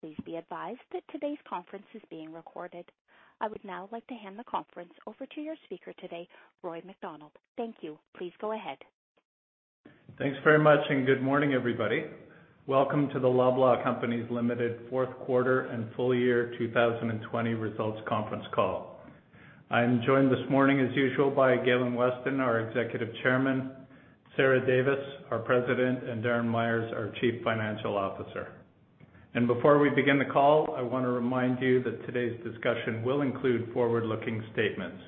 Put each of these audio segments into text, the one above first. Please be advised that today's conference is being recorded. I would now like to hand the conference over to your speaker today, Roy MacDonald. Thank you. Please go ahead. Thanks very much and good morning, everybody. Welcome to the Loblaw Companies Limited Q4 and Full Year 2020 Results Conference Call. I'm joined this morning, as usual, by Galen Weston, our Executive Chairman, Sarah Davis, our President, and Darren Myers, our Chief Financial Officer. And before we begin the call, I want to remind you that today's discussion will include forward-looking statements,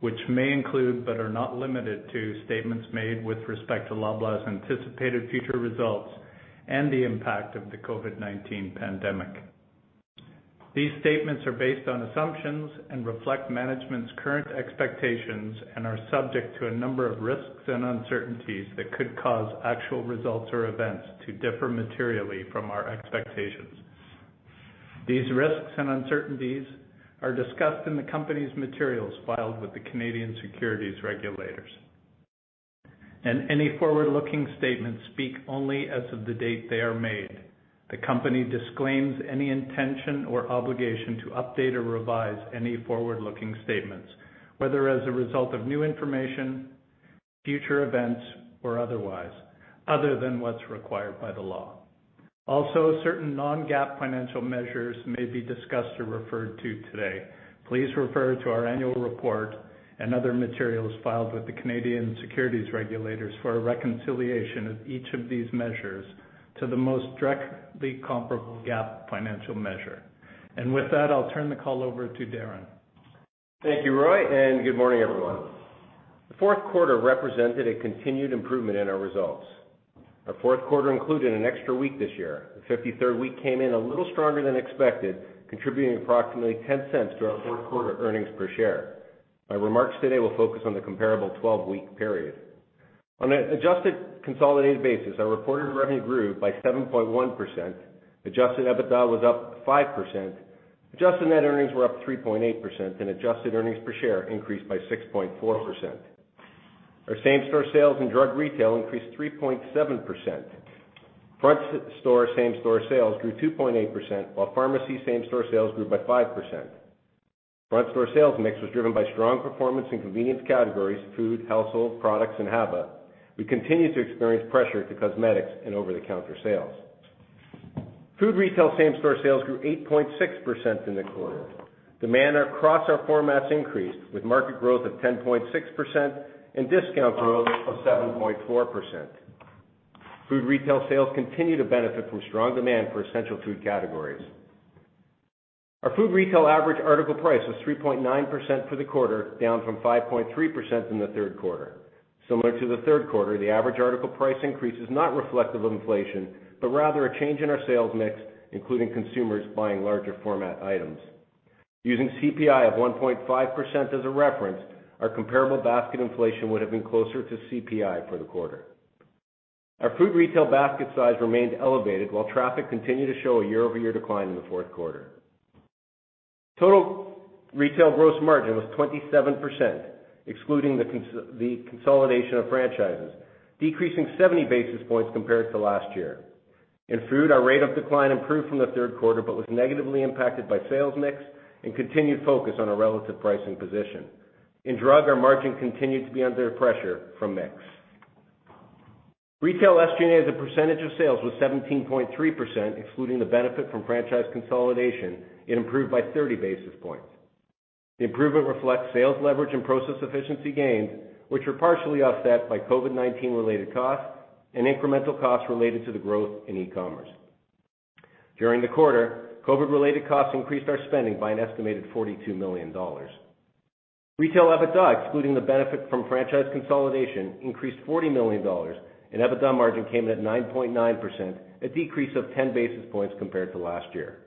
which may include but are not limited to statements made with respect to Loblaw's anticipated future results and the impact of the COVID-19 pandemic. These statements are based on assumptions and reflect management's current expectations and are subject to a number of risks and uncertainties that could cause actual results or events to differ materially from our expectations. These risks and uncertainties are discussed in the company's materials filed with the Canadian securities regulators, and any forward-looking statements speak only as of the date they are made. The company disclaims any intention or obligation to update or revise any forward-looking statements, whether as a result of new information, future events, or otherwise, other than what's required by the law. Also, certain non-GAAP financial measures may be discussed or referred to today. Please refer to our annual report and other materials filed with the Canadian securities regulators for a reconciliation of each of these measures to the most directly comparable GAAP financial measure. And with that, I'll turn the call over to Darren. Thank you, Roy, and good morning, everyone. The Q4 represented a continued improvement in our results. Our Q4 included an extra week this year. The 53rd week came in a little stronger than expected, contributing approximately 0.10 to our Q4 earnings per share. My remarks today will focus on the comparable 12-week period. On an adjusted consolidated basis, our reported revenue grew by 7.1%. Adjusted EBITDA was up 5%. Adjusted net earnings were up 3.8%, and adjusted earnings per share increased by 6.4%. Our same-store sales and drug retail increased 3.7%. Front-store same-store sales grew 2.8%, while pharmacy same-store sales grew by 5%. Front-store sales mix was driven by strong performance in convenience categories: food, household products, and HABA. We continued to experience pressure to cosmetics and over-the-counter sales. Food retail same-store sales grew 8.6% in the quarter. Demand across our formats increased with market growth of 10.6% and discount growth of 7.4%. Food retail sales continue to benefit from strong demand for essential food categories. Our food retail average article price was 3.9% for the quarter, down from 5.3% in the Q3. Similar to the Q3, the average article price increase is not reflective of inflation, but rather a change in our sales mix, including consumers buying larger format items. Using CPI of 1.5% as a reference, our comparable basket inflation would have been closer to CPI for the quarter. Our food retail basket size remained elevated, while traffic continued to show a year-over-year decline in the Q4. Total retail gross margin was 27%, excluding the consolidation of franchises, decreasing 70 basis points compared to last year. In food, our rate of decline improved from the Q3 but was negatively impacted by sales mix and continued focus on a relative pricing position. In drug, our margin continued to be under pressure from mix. Retail SG&A's percentage of sales was 17.3%, excluding the benefit from franchise consolidation. It improved by 30 basis points. The improvement reflects sales leverage and process efficiency gains, which are partially offset by COVID-19-related costs and incremental costs related to the growth in e-commerce. During the quarter, COVID-related costs increased our spending by an estimated 42 million dollars. Retail EBITDA, excluding the benefit from franchise consolidation, increased 40 million dollars, and EBITDA margin came in at 9.9%, a decrease of 10 basis points compared to last year.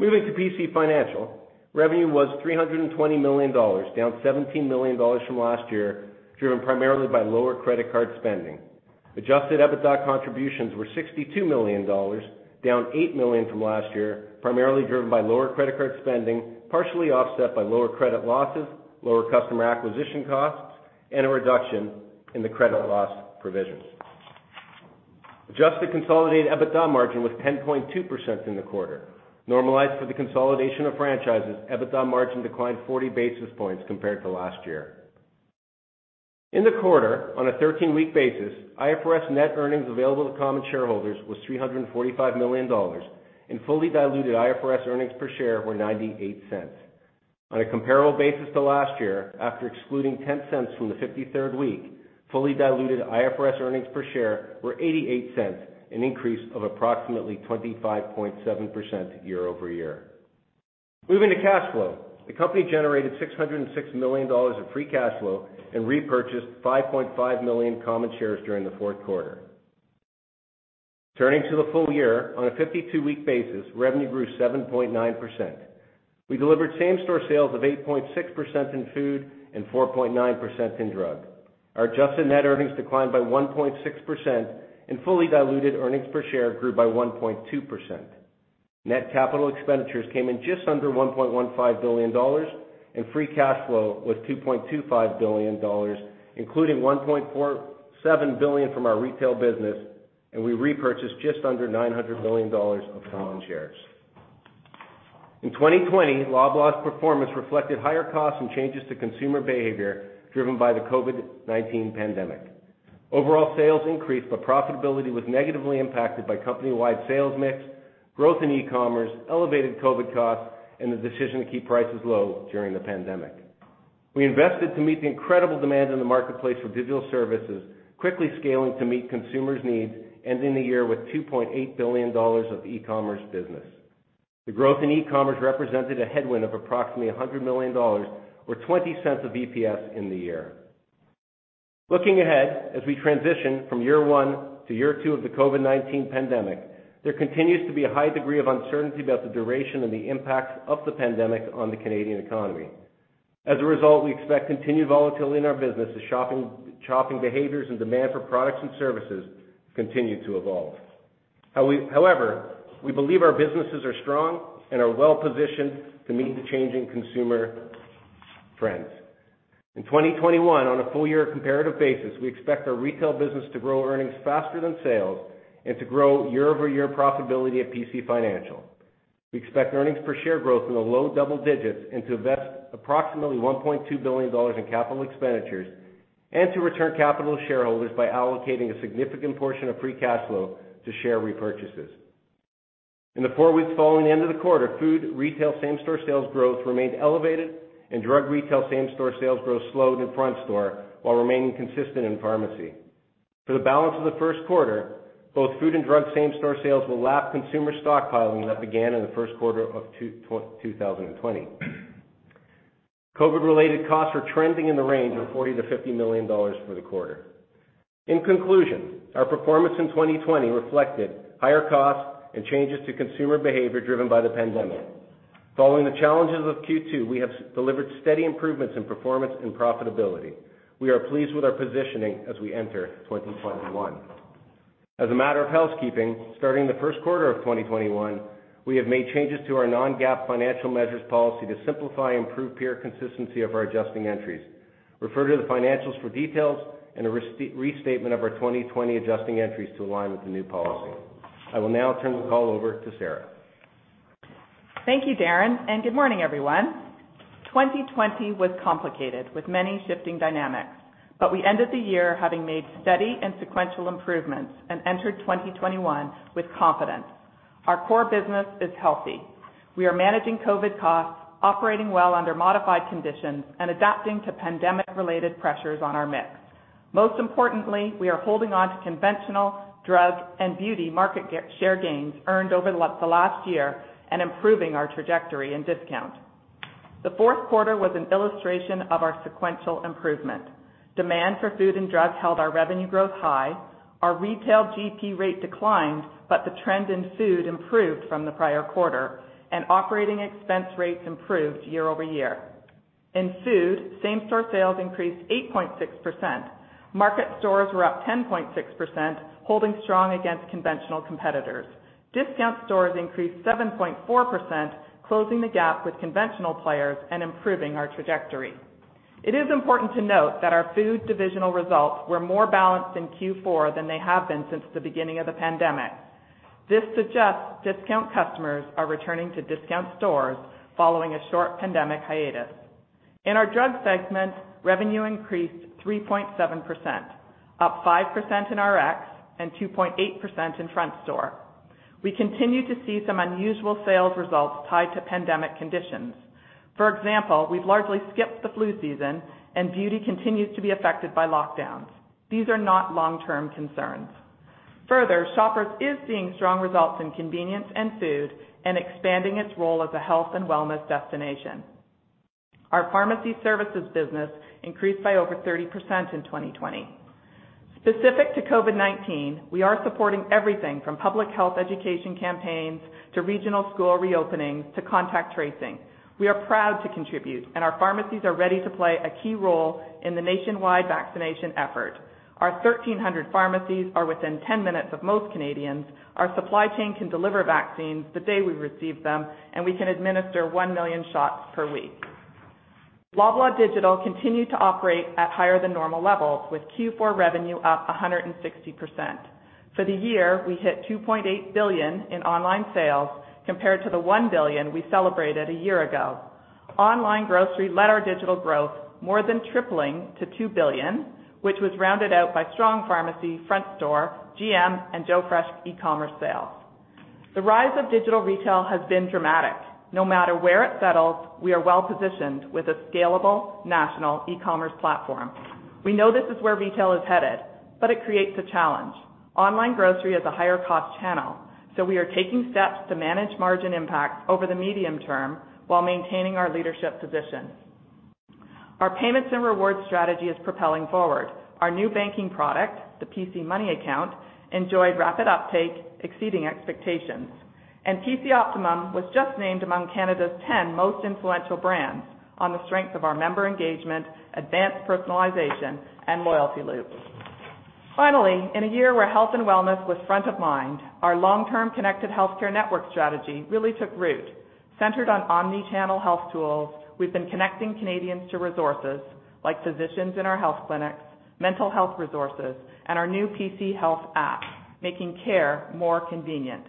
Moving to PC Financial, revenue was 320 million dollars, down 17 million dollars from last year, driven primarily by lower credit card spending. Adjusted EBITDA contributions were 62 million dollars, down 8 million from last year, primarily driven by lower credit card spending, partially offset by lower credit losses, lower customer acquisition costs, and a reduction in the credit loss provisions. Adjusted consolidated EBITDA margin was 10.2% in the quarter. Normalized for the consolidation of franchises, EBITDA margin declined 40 basis points compared to last year. In the quarter, on a 13-week basis, IFRS net earnings available to common shareholders was 345 million dollars, and fully diluted IFRS earnings per share were 0.98. On a comparable basis to last year, after excluding 0.10 from the 53rd week, fully diluted IFRS earnings per share were 0.88, an increase of approximately 25.7% year-over-year. Moving to cash flow, the company generated 606 million dollars of free cash flow and repurchased 5.5 million common shares during the Q4. Turning to the full year, on a 52-week basis, revenue grew 7.9%. We delivered same-store sales of 8.6% in food and 4.9% in drug. Our adjusted net earnings declined by 1.6%, and fully diluted earnings per share grew by 1.2%. Net capital expenditures came in just under 1.15 billion dollars, and free cash flow was 2.25 billion dollars, including 1.7 billion from our retail business, and we repurchased just under 900 million dollars of common shares. In 2020, Loblaw's performance reflected higher costs and changes to consumer behavior driven by the COVID-19 pandemic. Overall sales increased, but profitability was negatively impacted by company-wide sales mix, growth in e-commerce, elevated COVID costs, and the decision to keep prices low during the pandemic. We invested to meet the incredible demand in the marketplace for digital services, quickly scaling to meet consumers' needs, ending the year with 2.8 billion dollars of e-commerce business. The growth in e-commerce represented a headwind of approximately 100 million dollars, or 0.20 of EPS in the year. Looking ahead as we transition from year one to year two of the COVID-19 pandemic, there continues to be a high degree of uncertainty about the duration and the impact of the pandemic on the Canadian economy. As a result, we expect continued volatility in our business as shopping behaviors and demand for products and services continue to evolve. However, we believe our businesses are strong and are well-positioned to meet the changing consumer trends. In 2021, on a full-year comparative basis, we expect our retail business to grow earnings faster than sales and to grow year-over-year profitability at PC Financial. We expect earnings per share growth in the low double digits and to invest approximately 1.2 billion dollars in capital expenditures and to return capital to shareholders by allocating a significant portion of free cash flow to share repurchases. In the four weeks following the end of the quarter, food retail same-store sales growth remained elevated, and drug retail same-store sales growth slowed in front-store while remaining consistent in pharmacy. For the balance of the Q1, both food and drug same-store sales will lap consumer stockpiling that began in the Q1 of 2020. COVID-related costs are trending in the range of 40 million-50 million dollars for the quarter. In conclusion, our performance in 2020 reflected higher costs and changes to consumer behavior driven by the pandemic. Following the challenges of Q2, we have delivered steady improvements in performance and profitability. We are pleased with our positioning as we enter 2021. As a matter of housekeeping, starting the Q1 of 2021, we have made changes to our non-GAAP financial measures policy to simplify and improve peer consistency of our adjusting entries. Refer to the financials for details and a restatement of our 2020 adjusting entries to align with the new policy. I will now turn the call over to Sarah. Thank you, Darren, and good morning, everyone. 2020 was complicated with many shifting dynamics, but we ended the year having made steady and sequential improvements and entered 2021 with confidence. Our core business is healthy. We are managing COVID costs, operating well under modified conditions, and adapting to pandemic-related pressures on our mix. Most importantly, we are holding on to conventional, drug, and beauty market share gains earned over the last year and improving our trajectory and discount. The Q4 was an illustration of our sequential improvement. Demand for food and drugs held our revenue growth high. Our retail GP rate declined, but the trend in food improved from the prior quarter, and operating expense rates improved year-over-year. In food, same-store sales increased 8.6%. Market stores were up 10.6%, holding strong against conventional competitors. Discount stores increased 7.4%, closing the gap with conventional players and improving our trajectory. It is important to note that our food divisional results were more balanced in Q4 than they have been since the beginning of the pandemic. This suggests discount customers are returning to discount stores following a short pandemic hiatus. In our drug segment, revenue increased 3.7%, up 5% in RX and 2.8% in front-store. We continue to see some unusual sales results tied to pandemic conditions. For example, we've largely skipped the flu season, and beauty continues to be affected by lockdowns. These are not long-term concerns. Further, Shoppers is seeing strong results in convenience and food and expanding its role as a health and wellness destination. Our pharmacy services business increased by over 30% in 2020. Specific to COVID-19, we are supporting everything from public health education campaigns to regional school reopenings to contact tracing. We are proud to contribute, and our pharmacies are ready to play a key role in the nationwide vaccination effort. Our 1,300 pharmacies are within 10 minutes of most Canadians. Our supply chain can deliver vaccines the day we receive them, and we can administer 1 million shots per week. Loblaw Digital continues to operate at higher than normal levels, with Q4 revenue up 160%. For the year, we hit 2.8 billion in online sales compared to the 1 billion we celebrated a year ago. Online grocery led our digital growth, more than tripling to 2 billion, which was rounded out by strong pharmacy, front-store, GM, and Joe Fresh e-commerce sales. The rise of digital retail has been dramatic. No matter where it settles, we are well-positioned with a scalable national e-commerce platform. We know this is where retail is headed, but it creates a challenge. Online grocery is a higher-cost channel, so we are taking steps to manage margin impacts over the medium term while maintaining our leadership position. Our payments and rewards strategy is propelling forward. Our new banking product, the PC Money Account, enjoyed rapid uptake, exceeding expectations. And PC Optimum was just named among Canada's 10 most influential brands on the strength of our member engagement, advanced personalization, and loyalty loops. Finally, in a year where health and wellness were front of mind, our long-term connected healthcare network strategy really took root. Centered on omnichannel health tools, we've been connecting Canadians to resources like physicians in our health clinics, mental health resources, and our new PC Health app, making care more convenient.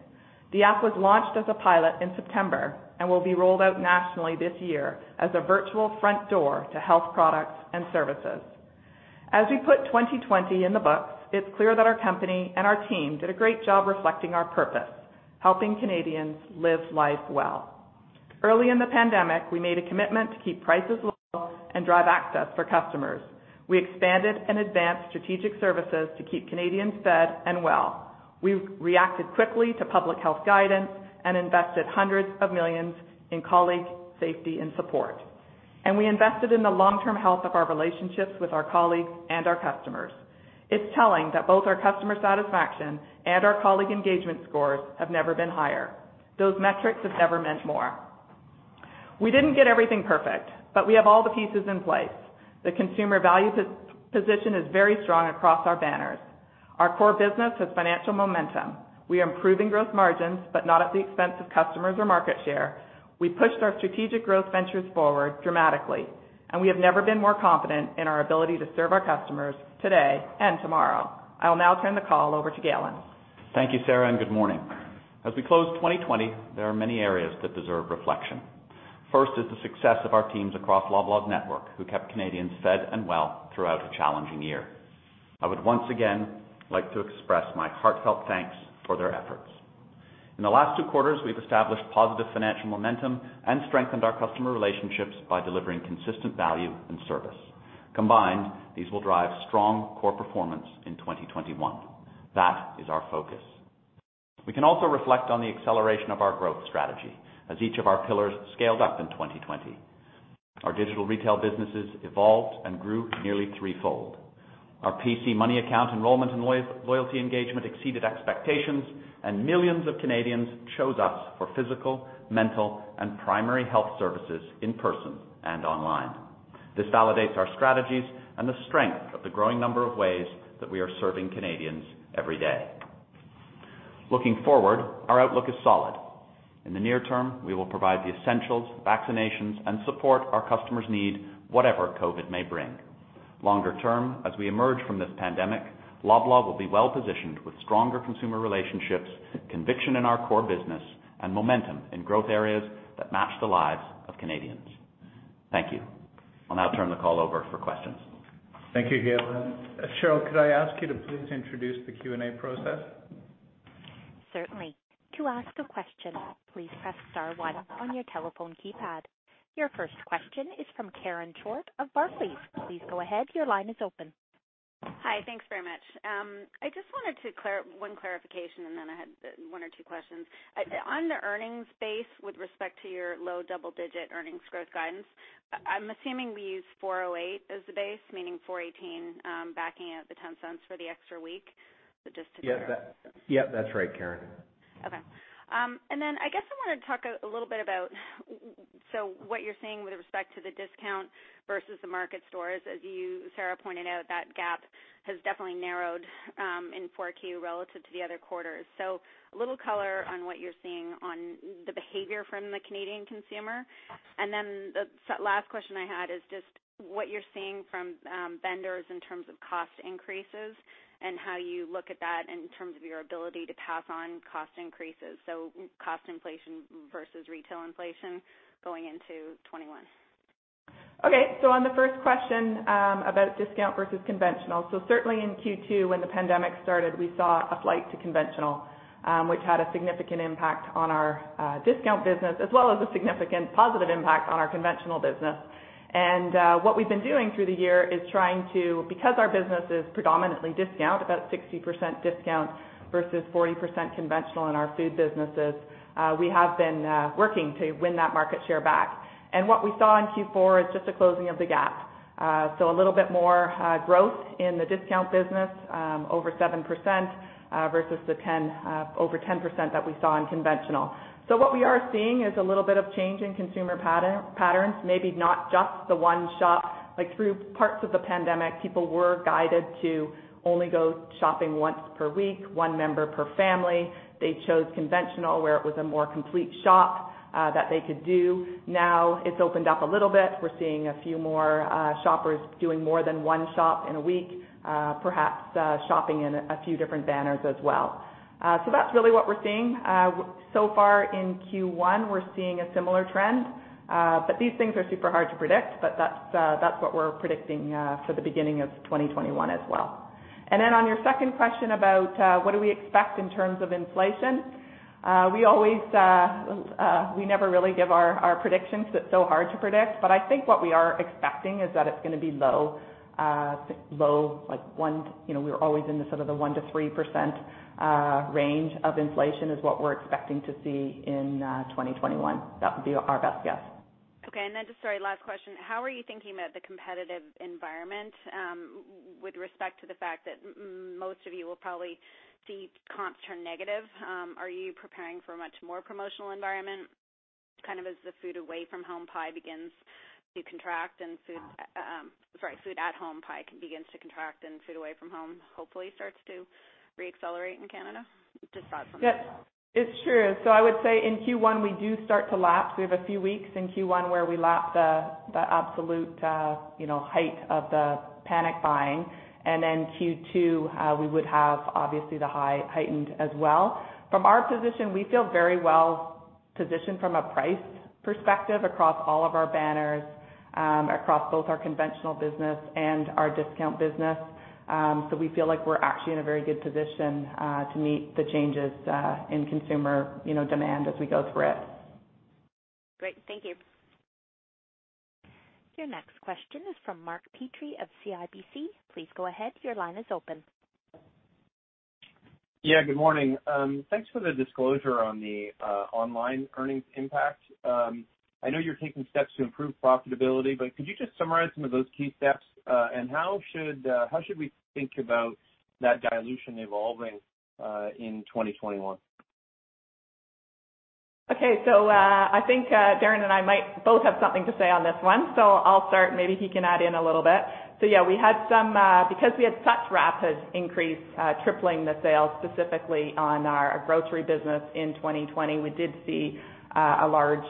The app was launched as a pilot in September and will be rolled out nationally this year as a virtual front door to health products and services. As we put 2020 in the books, it's clear that our company and our team did a great job reflecting our purpose: helping Canadians live life well. Early in the pandemic, we made a commitment to keep prices low and drive access for customers. We expanded and advanced strategic services to keep Canadians fed and well. We reacted quickly to public health guidance and invested hundreds of millions in colleague safety and support, and we invested in the long-term health of our relationships with our colleagues and our customers. It's telling that both our customer satisfaction and our colleague engagement scores have never been higher. Those metrics have never meant more. We didn't get everything perfect, but we have all the pieces in place. The consumer value position is very strong across our banners. Our core business has financial momentum. We are improving gross margins, but not at the expense of customers or market share. We pushed our strategic growth ventures forward dramatically, and we have never been more confident in our ability to serve our customers today and tomorrow. I will now turn the call over to Galen. Thank you, Sarah, and good morning. As we close 2020, there are many areas that deserve reflection. First is the success of our teams across Loblaw's network, who kept Canadians fed and well throughout a challenging year. I would once again like to express my heartfelt thanks for their efforts. In the last two quarters, we've established positive financial momentum and strengthened our customer relationships by delivering consistent value and service. Combined, these will drive strong core performance in 2021. That is our focus. We can also reflect on the acceleration of our growth strategy as each of our pillars scaled up in 2020. Our digital retail businesses evolved and grew nearly threefold. Our PC Money Account enrollment and loyalty engagement exceeded expectations, and millions of Canadians chose us for physical, mental, and primary health services in person and online. This validates our strategies and the strength of the growing number of ways that we are serving Canadians every day. Looking forward, our outlook is solid. In the near term, we will provide the essentials, vaccinations, and support our customers need, whatever COVID may bring. Longer term, as we emerge from this pandemic, Loblaw will be well-positioned with stronger consumer relationships, conviction in our core business, and momentum in growth areas that match the lives of Canadians. Thank you. I'll now turn the call over for questions. Thank you, Galen. Cheryl, could I ask you to please introduce the Q&A process? Certainly. To ask a question, please press star one on your telephone keypad. Your first question is from Karen Short of Barclays. Please go ahead. Your line is open. Hi, thanks very much. I just wanted to clarify one clarification, and then I had one or two questions. On the earnings base with respect to your low double-digit earnings growth guidance, I'm assuming we use 408 as the base, meaning 418 backing out the 0.10 for the extra week. So just to clarify. Yep, that's right, Karen. Okay. And then I guess I want to talk a little bit about what you're seeing with respect to the discount versus the market stores. As you, Sarah, pointed out, that gap has definitely narrowed in Q4 relative to the other quarters. So a little color on what you're seeing on the behavior from the Canadian consumer. And then the last question I had is just what you're seeing from vendors in terms of cost increases and how you look at that in terms of your ability to pass on cost increases. So cost inflation versus retail inflation going into 2021. Okay. So on the first question about discount versus conventional, so certainly in Q2 when the pandemic started, we saw a flight to conventional, which had a significant impact on our discount business as well as a significant positive impact on our conventional business. And what we've been doing through the year is trying to, because our business is predominantly discount, about 60% discount versus 40% conventional in our food businesses, we have been working to win that market share back. And what we saw in Q4 is just the closing of the gap. So a little bit more growth in the discount business, over 7% versus the over 10% that we saw in conventional. So what we are seeing is a little bit of change in consumer patterns, maybe not just the one shop. Through parts of the pandemic, people were guided to only go shopping once per week, one member per family. They chose conventional, where it was a more complete shop that they could do. Now it's opened up a little bit. We're seeing a few more shoppers doing more than one shop in a week, perhaps shopping in a few different banners as well. So that's really what we're seeing. So far in Q1, we're seeing a similar trend, but these things are super hard to predict, but that's what we're predicting for the beginning of 2021 as well. And then on your second question about what do we expect in terms of inflation, we never really give our predictions because it's so hard to predict, but I think what we are expecting is that it's going to be low, like we're always in the sort of the 1%-3% range of inflation is what we're expecting to see in 2021. That would be our best guess. Okay. And then just sorry, last question. How are you thinking about the competitive environment with respect to the fact that most of you will probably see comps turn negative? Are you preparing for a much more promotional environment? Kind of as the food away from home pie begins to contract and food, sorry, food at home pie begins to contract and food away from home hopefully starts to reaccelerate in Canada? Just thoughts on that. Yep. It's true. So I would say in Q1, we do start to lap. So we have a few weeks in Q1 where we lap the absolute height of the panic buying. And then Q2, we would have obviously the heightened as well. From our position, we feel very well positioned from a price perspective across all of our banners, across both our conventional business and our discount business. So we feel like we're actually in a very good position to meet the changes in consumer demand as we go through it. Great. Thank you. Your next question is from Mark Petrie of CIBC. Please go ahead. Your line is open. Yeah, good morning. Thanks for the disclosure on the online earnings impact. I know you're taking steps to improve profitability, but could you just summarize some of those key steps, and how should we think about that dilution evolving in 2021? Okay. So I think Darren and I might both have something to say on this one. So I'll start. Maybe he can add in a little bit. So yeah, we had some, because we had such rapid increase, tripling the sales specifically on our grocery business in 2020, we did see a large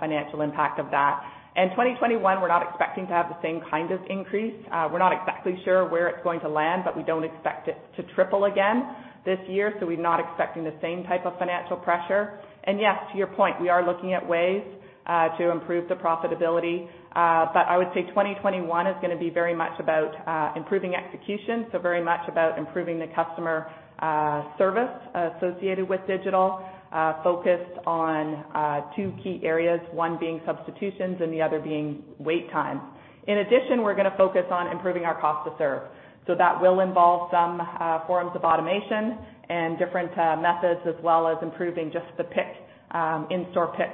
financial impact of that. In 2021, we're not expecting to have the same kind of increase. We're not exactly sure where it's going to land, but we don't expect it to triple again this year. So we're not expecting the same type of financial pressure. And yes, to your point, we are looking at ways to improve the profitability. But I would say 2021 is going to be very much about improving execution, so very much about improving the customer service associated with digital, focused on two key areas, one being substitutions and the other being wait times. In addition, we're going to focus on improving our cost to serve. So that will involve some forms of automation and different methods as well as improving just the pick, in-store pick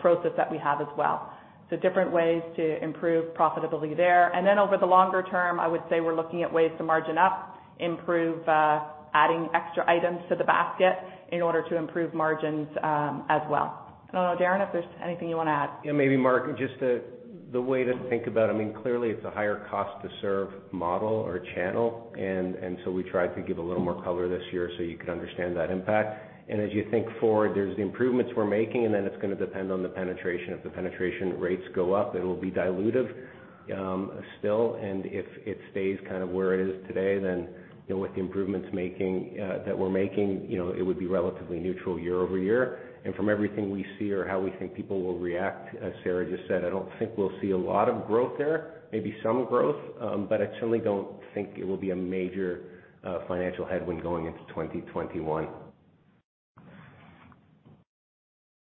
process that we have as well. So different ways to improve profitability there. And then over the longer term, I would say we're looking at ways to margin up, improve adding extra items to the basket in order to improve margins as well. I don't know, Darren, if there's anything you want to add. Yeah, maybe Mark, just the way to think about it. I mean, clearly it's a higher cost to serve model or channel, and so we tried to give a little more color this year so you could understand that impact, and as you think forward, there's the improvements we're making, and then it's going to depend on the penetration. If the penetration rates go up, it will be dilutive still, and if it stays kind of where it is today, then with the improvements that we're making, it would be relatively neutral year over year, and from everything we see or how we think people will react, as Sarah just said, I don't think we'll see a lot of growth there, maybe some growth, but I certainly don't think it will be a major financial headwind going into 2021.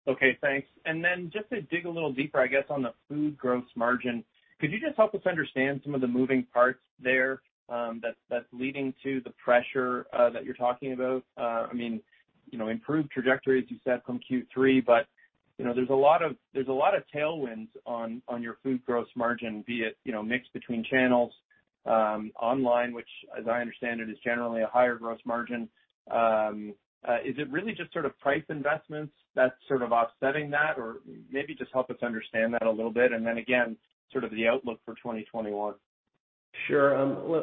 Okay. Thanks. And then just to dig a little deeper, I guess, on the food gross margin, could you just help us understand some of the moving parts there that's leading to the pressure that you're talking about? I mean, improved trajectory, as you said, from Q3, but there's a lot of tailwinds on your food gross margin, be it mixed between channels, online, which, as I understand it, is generally a higher gross margin. Is it really just sort of price investments that's sort of offsetting that? Or maybe just help us understand that a little bit. And then again, sort of the outlook for 2021. Sure.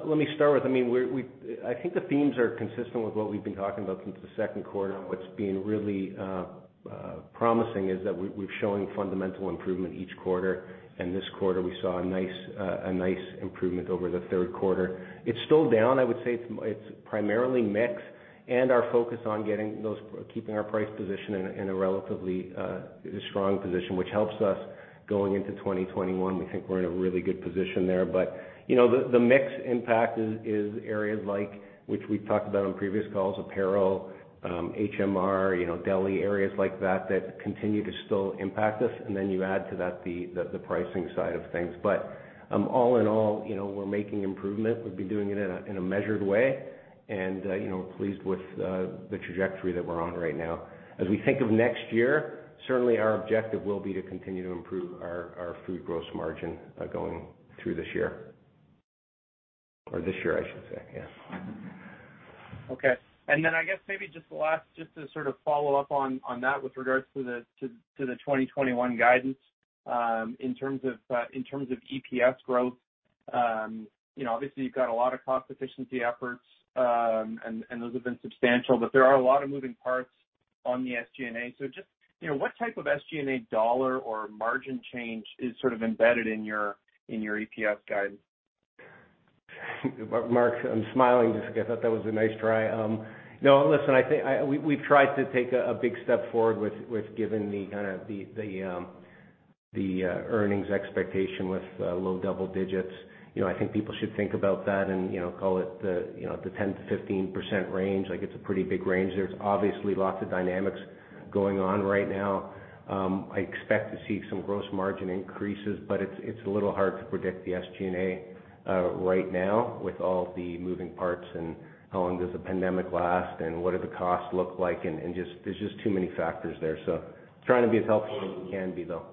Let me start with, I mean, I think the themes are consistent with what we've been talking about since the Q2. And what's been really promising is that we're showing fundamental improvement each quarter. And this quarter, we saw a nice improvement over the Q3. It's still down. I would say it's primarily mixed and our focus on keeping our price position in a relatively strong position, which helps us going into 2021. We think we're in a really good position there. But the mixed impact is areas like which we've talked about on previous calls, apparel, HMR, deli, areas like that that continue to still impact us. And then you add to that the pricing side of things. But all in all, we're making improvement. We've been doing it in a measured way. And we're pleased with the trajectory that we're on right now. As we think of next year, certainly our objective will be to continue to improve our food gross margin going through this year. Or this year, I should say. Yeah. Okay. And then I guess maybe just the last, just to sort of follow up on that with regards to the 2021 guidance, in terms of EPS growth, obviously you've got a lot of cost efficiency efforts, and those have been substantial, but there are a lot of moving parts on the SG&A. So just what type of SG&A dollar or margin change is sort of embedded in your EPS guide? Mark, I'm smiling just because I thought that was a nice try. No, listen, we've tried to take a big step forward with given the kind of the earnings expectation with low double digits. I think people should think about that and call it the 10%-15% range. It's a pretty big range. There's obviously lots of dynamics going on right now. I expect to see some gross margin increases, but it's a little hard to predict the SG&A right now with all the moving parts and how long does the pandemic last and what do the costs look like. And there's just too many factors there. So trying to be as helpful as we can be, though.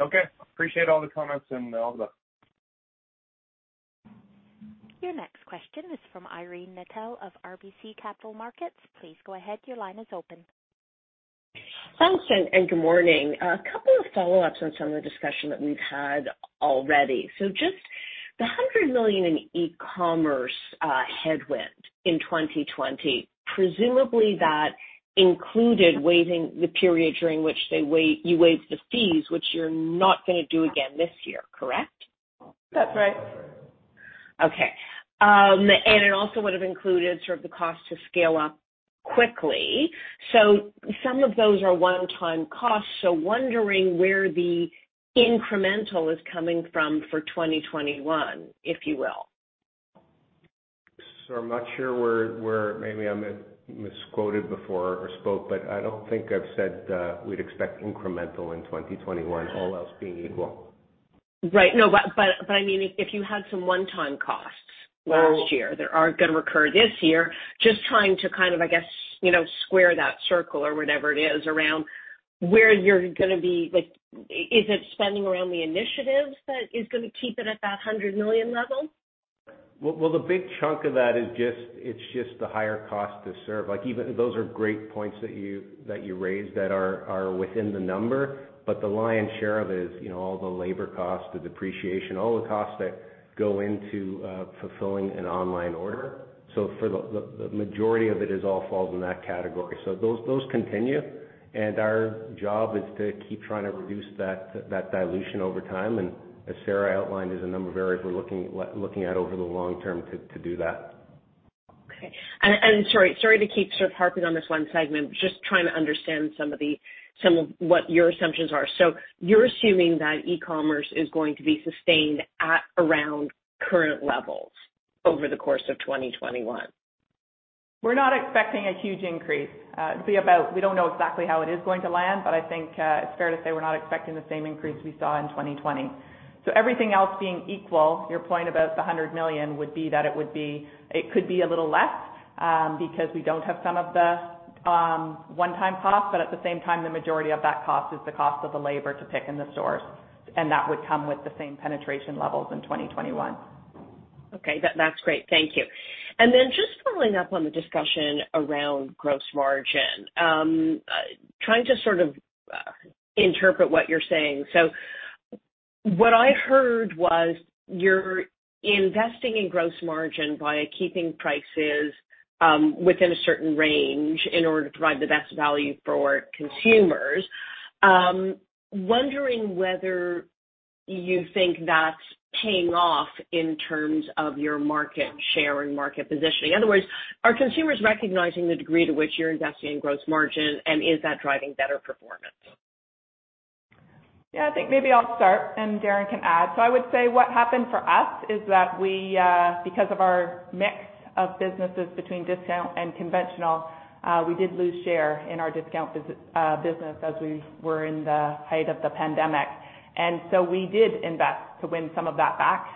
Okay. Appreciate all the comments and all the best. Your next question is from Irene Nattel of RBC Capital Markets. Please go ahead. Your line is open. Thanks, and good morning. A couple of follow-ups on some of the discussion that we've had already. So just the $100 million in e-commerce headwind in 2020, presumably that included waiving the period during which you waived the fees, which you're not going to do again this year, correct? That's right. Okay. And it also would have included sort of the cost to scale up quickly. So some of those are one-time costs. So wondering where the incremental is coming from for 2021, if you will. I'm not sure where maybe I misquoted before or spoke, but I don't think I've said we'd expect incremental in 2021, all else being equal. Right. No, but I mean, if you had some one-time costs last year that aren't going to recur this year, just trying to kind of, I guess, square that circle or whatever it is around where you're going to be. Is it spending around the initiatives that is going to keep it at that 100 million level? Well, the big chunk of that is just the higher cost to serve. Those are great points that you raised that are within the number. But the lion's share of it is all the labor costs, the depreciation, all the costs that go into fulfilling an online order. So for the majority of it, it all falls in that category. So those continue. And our job is to keep trying to reduce that dilution over time. And as Sarah outlined, there's a number of areas we're looking at over the long term to do that. Okay. And sorry to keep sort of harping on this one segment, but just trying to understand some of what your assumptions are, so you're assuming that e-commerce is going to be sustained around current levels over the course of 2021? We're not expecting a huge increase. We don't know exactly how it is going to land, but I think it's fair to say we're not expecting the same increase we saw in 2020. So everything else being equal, your point about the 100 million would be that it could be a little less because we don't have some of the one-time costs, but at the same time, the majority of that cost is the cost of the labor to pick in the stores. And that would come with the same penetration levels in 2021. Okay. That's great. Thank you. And then just following up on the discussion around gross margin, trying to sort of interpret what you're saying. So what I heard was you're investing in gross margin by keeping prices within a certain range in order to provide the best value for consumers. Wondering whether you think that's paying off in terms of your market share and market positioning. In other words, are consumers recognizing the degree to which you're investing in gross margin, and is that driving better performance? Yeah, I think maybe I'll start, and Darren can add. So I would say what happened for us is that because of our mix of businesses between discount and conventional, we did lose share in our discount business as we were in the height of the pandemic. And so we did invest to win some of that back.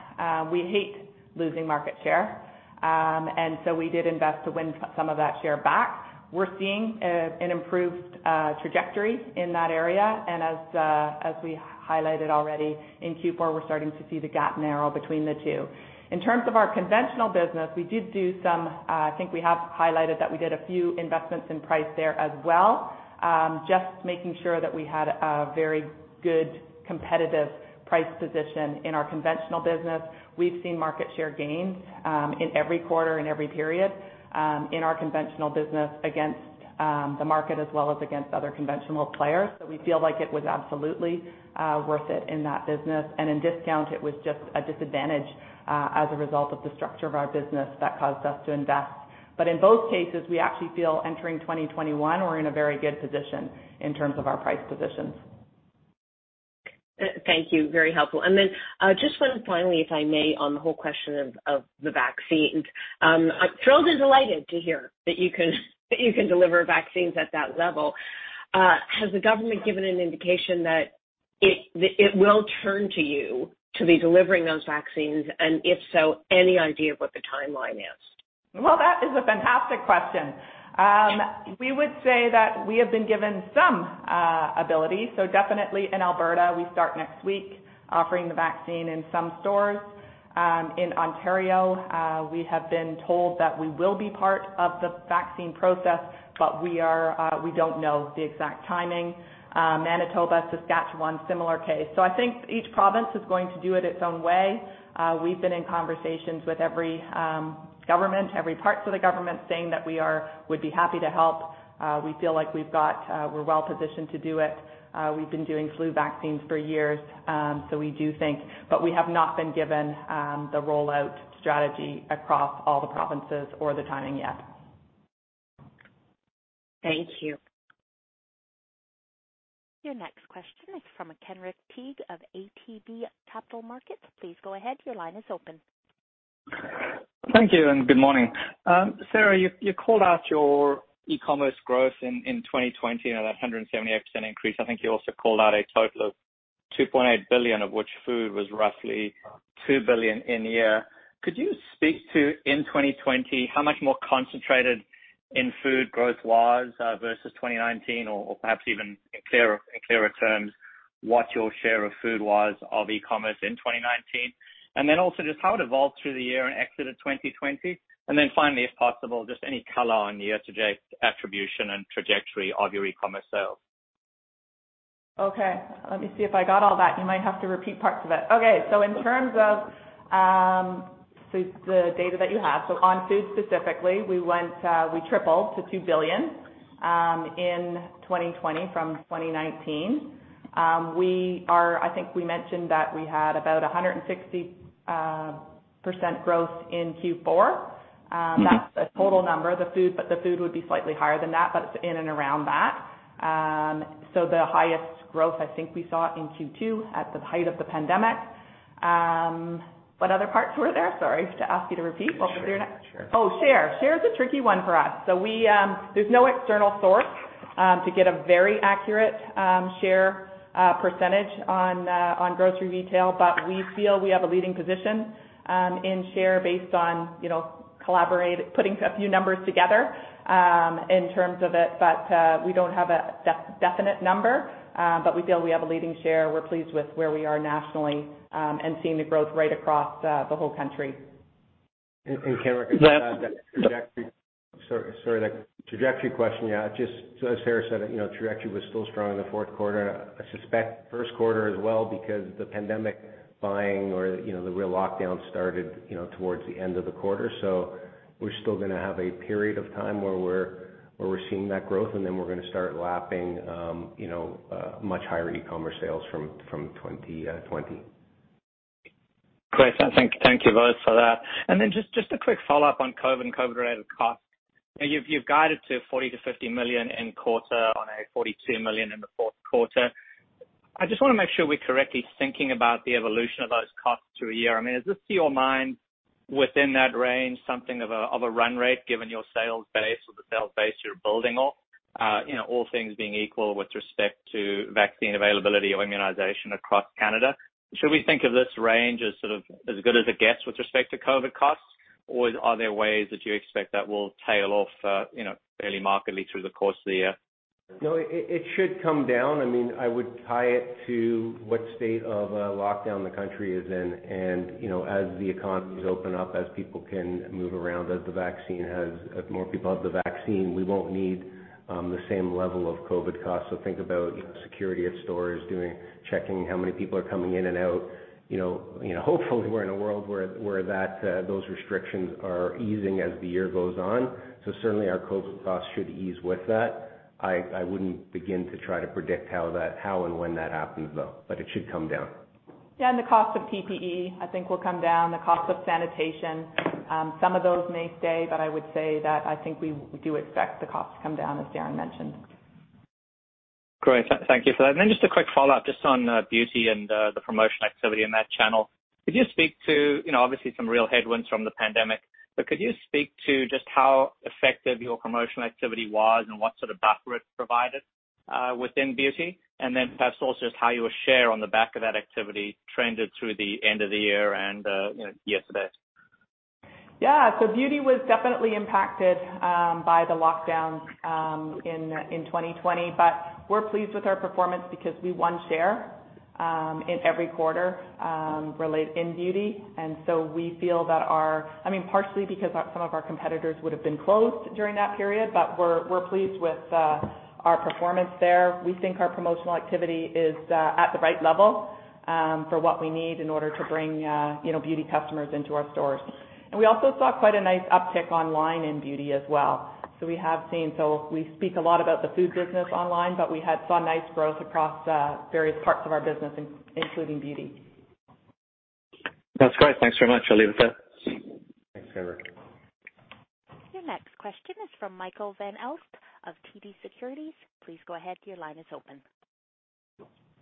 We hate losing market share. And so we did invest to win some of that share back. We're seeing an improved trajectory in that area. And as we highlighted already in Q4, we're starting to see the gap narrow between the two. In terms of our conventional business, we did do some. I think we have highlighted that we did a few investments in price there as well. Just making sure that we had a very good competitive price position in our conventional business. We've seen market share gains in every quarter, in every period in our conventional business against the market as well as against other conventional players. So we feel like it was absolutely worth it in that business. And in discount, it was just a disadvantage as a result of the structure of our business that caused us to invest. But in both cases, we actually feel entering 2021, we're in a very good position in terms of our price positions. Thank you. Very helpful. And then just finally, if I may, on the whole question of the vaccines, I'm thrilled and delighted to hear that you can deliver vaccines at that level. Has the government given an indication that it will turn to you to be delivering those vaccines? And if so, any idea of what the timeline is? That is a fantastic question. We would say that we have been given some ability. Definitely in Alberta, we start next week offering the vaccine in some stores. In Ontario, we have been told that we will be part of the vaccine process, but we don't know the exact timing. Manitoba, Saskatchewan, similar case. I think each province is going to do it its own way. We've been in conversations with every government, every part of the government, saying that we would be happy to help. We feel like we're well positioned to do it. We've been doing flu vaccines for years, so we do think. We have not been given the rollout strategy across all the provinces or the timing yet. Thank you. Your next question is from Kenric Tyghe of ATB Capital Markets. Please go ahead. Your line is open. Thank you and good morning. Sarah, you called out your e-commerce growth in 2020 and that 178% increase. I think you also called out a total of 2.8 billion, of which food was roughly 2 billion in a year. Could you speak to, in 2020, how much more concentrated in food growth was versus 2019, or perhaps even in clearer terms, what your share of food was of e-commerce in 2019? And then also just how it evolved through the year and exited 2020. And then finally, if possible, just any color on year-to-date attribution and trajectory of your e-commerce sales. Okay. Let me see if I got all that. You might have to repeat parts of it. Okay. So in terms of the data that you have, so on food specifically, we tripled to 2 billion in 2020 from 2019. I think we mentioned that we had about 160% growth in Q4. That's the total number. The food would be slightly higher than that, but it's in and around that. So the highest growth, I think we saw in Q2 at the height of the pandemic. What other parts were there? Sorry. To ask you to repeat. Well, for sure. Oh, share. Share is a tricky one for us. So there's no external source to get a very accurate share percentage on grocery retail, but we feel we have a leading position in share based on putting a few numbers together in terms of it. But we don't have a definite number, but we feel we have a leading share. We're pleased with where we are nationally and seeing the growth right across the whole country. Kenric, sorry, that trajectory question, yeah, just as Sarah said, trajectory was still strong in the Q4. I suspect Q1 as well because the pandemic buying or the real lockdown started towards the end of the quarter. So we're still going to have a period of time where we're seeing that growth, and then we're going to start lapping much higher e-commerce sales from 2020. Great. Thank you both for that. And then just a quick follow-up on COVID and COVID-related costs. You've guided to $40 million-$50 million in quarter on a $42 million in the Q4. I just want to make sure we're correctly thinking about the evolution of those costs through a year. I mean, is this to your mind within that range, something of a run rate given your sales base or the sales base you're building off, all things being equal with respect to vaccine availability or immunization across Canada? Should we think of this range as good as it gets with respect to COVID costs, or are there ways that you expect that will tail off fairly markedly through the course of the year? No, it should come down. I mean, I would tie it to what state of lockdown the country is in, and as the economy is opening up, as people can move around, as more people have the vaccine, we won't need the same level of COVID costs, so think about security at stores checking how many people are coming in and out. Hopefully, we're in a world where those restrictions are easing as the year goes on, so certainly, our COVID costs should ease with that. I wouldn't begin to try to predict how and when that happens, though, but it should come down. Yeah, and the cost of PPE, I think, will come down. The cost of sanitation, some of those may stay, but I would say that I think we do expect the cost to come down, as Darren mentioned. Great. Thank you for that. And then just a quick follow-up just on beauty and the promotion activity in that channel. Could you speak to, obviously, some real headwinds from the pandemic? But could you speak to just how effective your promotional activity was and what sort of buffer it provided within beauty? And then perhaps also just how your share on the back of that activity trended through the end of the year and year-to-date? Yeah. So beauty was definitely impacted by the lockdown in 2020, but we're pleased with our performance because we won share in every quarter in beauty. And so we feel that our, I mean, partially because some of our competitors would have been closed during that period, but we're pleased with our performance there. We think our promotional activity is at the right level for what we need in order to bring beauty customers into our stores. And we also saw quite a nice uptick online in beauty as well. So we have seen, so we speak a lot about the food business online, but we saw nice growth across various parts of our business, including beauty. That's great. Thanks very much. I'll leave it there. Thanks, Kenric. Your next question is from Michael Van Aelst of TD Securities. Please go ahead. Your line is open.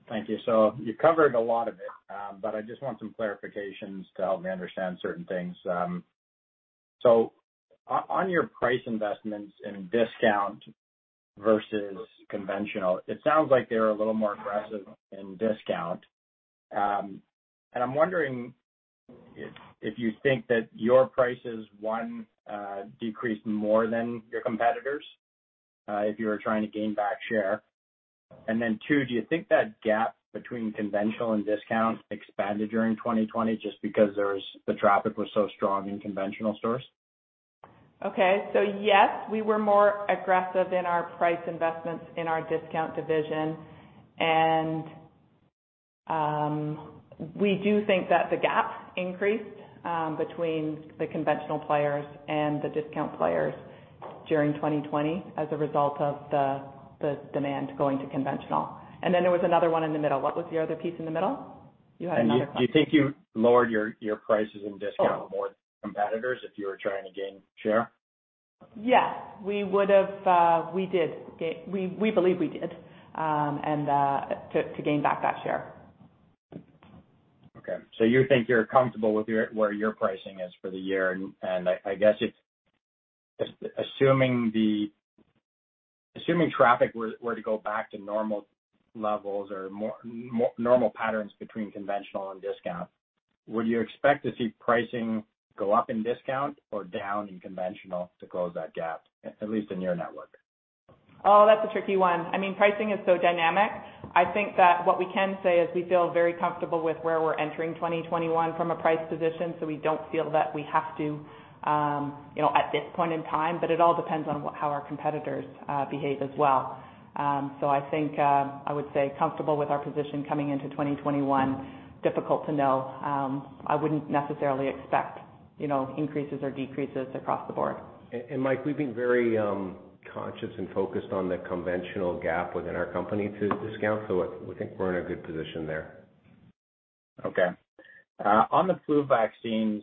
Thank you. So you covered a lot of it, but I just want some clarifications to help me understand certain things. So on your price investments in discount versus conventional, it sounds like they're a little more aggressive in discount. And I'm wondering if you think that your prices one decreased more than your competitors if you were trying to gain back share? And then two, do you think that gap between conventional and discount expanded during 2020 just because the traffic was so strong in conventional stores? Okay. So yes, we were more aggressive in our price investments in our discount division. And we do think that the gap increased between the conventional players and the discount players during 2020 as a result of the demand going to conventional. And then there was another one in the middle. What was the other piece in the middle? You had another question. Do you think you lowered your prices in discount more than competitors if you were trying to gain share? Yes. We did. We believe we did to gain back that share. Okay. So you think you're comfortable with where your pricing is for the year. And I guess assuming traffic were to go back to normal levels or normal patterns between conventional and discount, would you expect to see pricing go up in discount or down in conventional to close that gap, at least in your network? Oh, that's a tricky one. I mean, pricing is so dynamic. I think that what we can say is we feel very comfortable with where we're entering 2021 from a price position, so we don't feel that we have to at this point in time. But it all depends on how our competitors behave as well. So I think I would say comfortable with our position coming into 2021. Difficult to know. I wouldn't necessarily expect increases or decreases across the board. And Mike, we've been very conscious and focused on the conventional gap within our company to discount. So we think we're in a good position there. Okay. On the flu vaccines,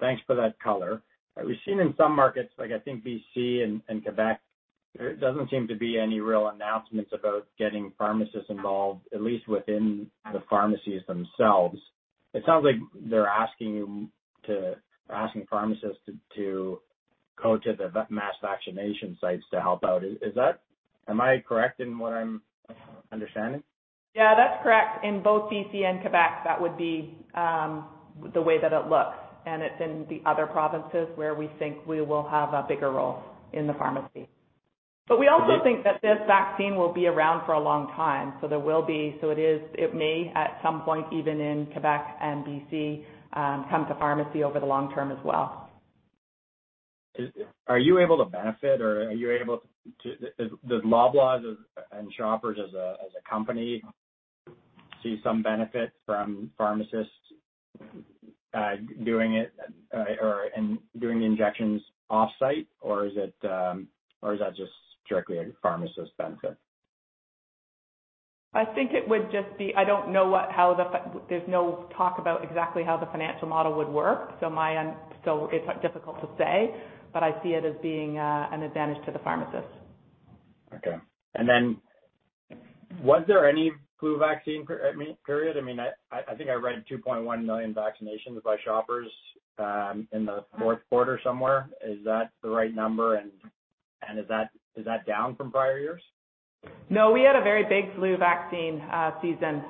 thanks for that color. We've seen in some markets, like I think BC and Quebec, there doesn't seem to be any real announcements about getting pharmacists involved, at least within the pharmacies themselves. It sounds like they're asking pharmacists to go to the mass vaccination sites to help out. Am I correct in what I'm understanding? Yeah, that's correct. In both BC and Quebec, that would be the way that it looks. And it's in the other provinces where we think we will have a bigger role in the pharmacy. But we also think that this vaccine will be around for a long time. So there will be—so it may at some point, even in Quebec and BC, come to pharmacy over the long term as well. Are you able to benefit, or are you able to, does Loblaw and Shoppers as a company see some benefit from pharmacists doing it and doing the injections off-site, or is that just strictly a pharmacist benefit? There's no talk about exactly how the financial model would work. So it's difficult to say, but I see it as being an advantage to the pharmacists. Okay. And then was there any flu vaccine period? I mean, I think I read 2.1 million vaccinations by Shoppers in the Q4 somewhere. Is that the right number? And is that down from prior years? No, we had a very big flu vaccine season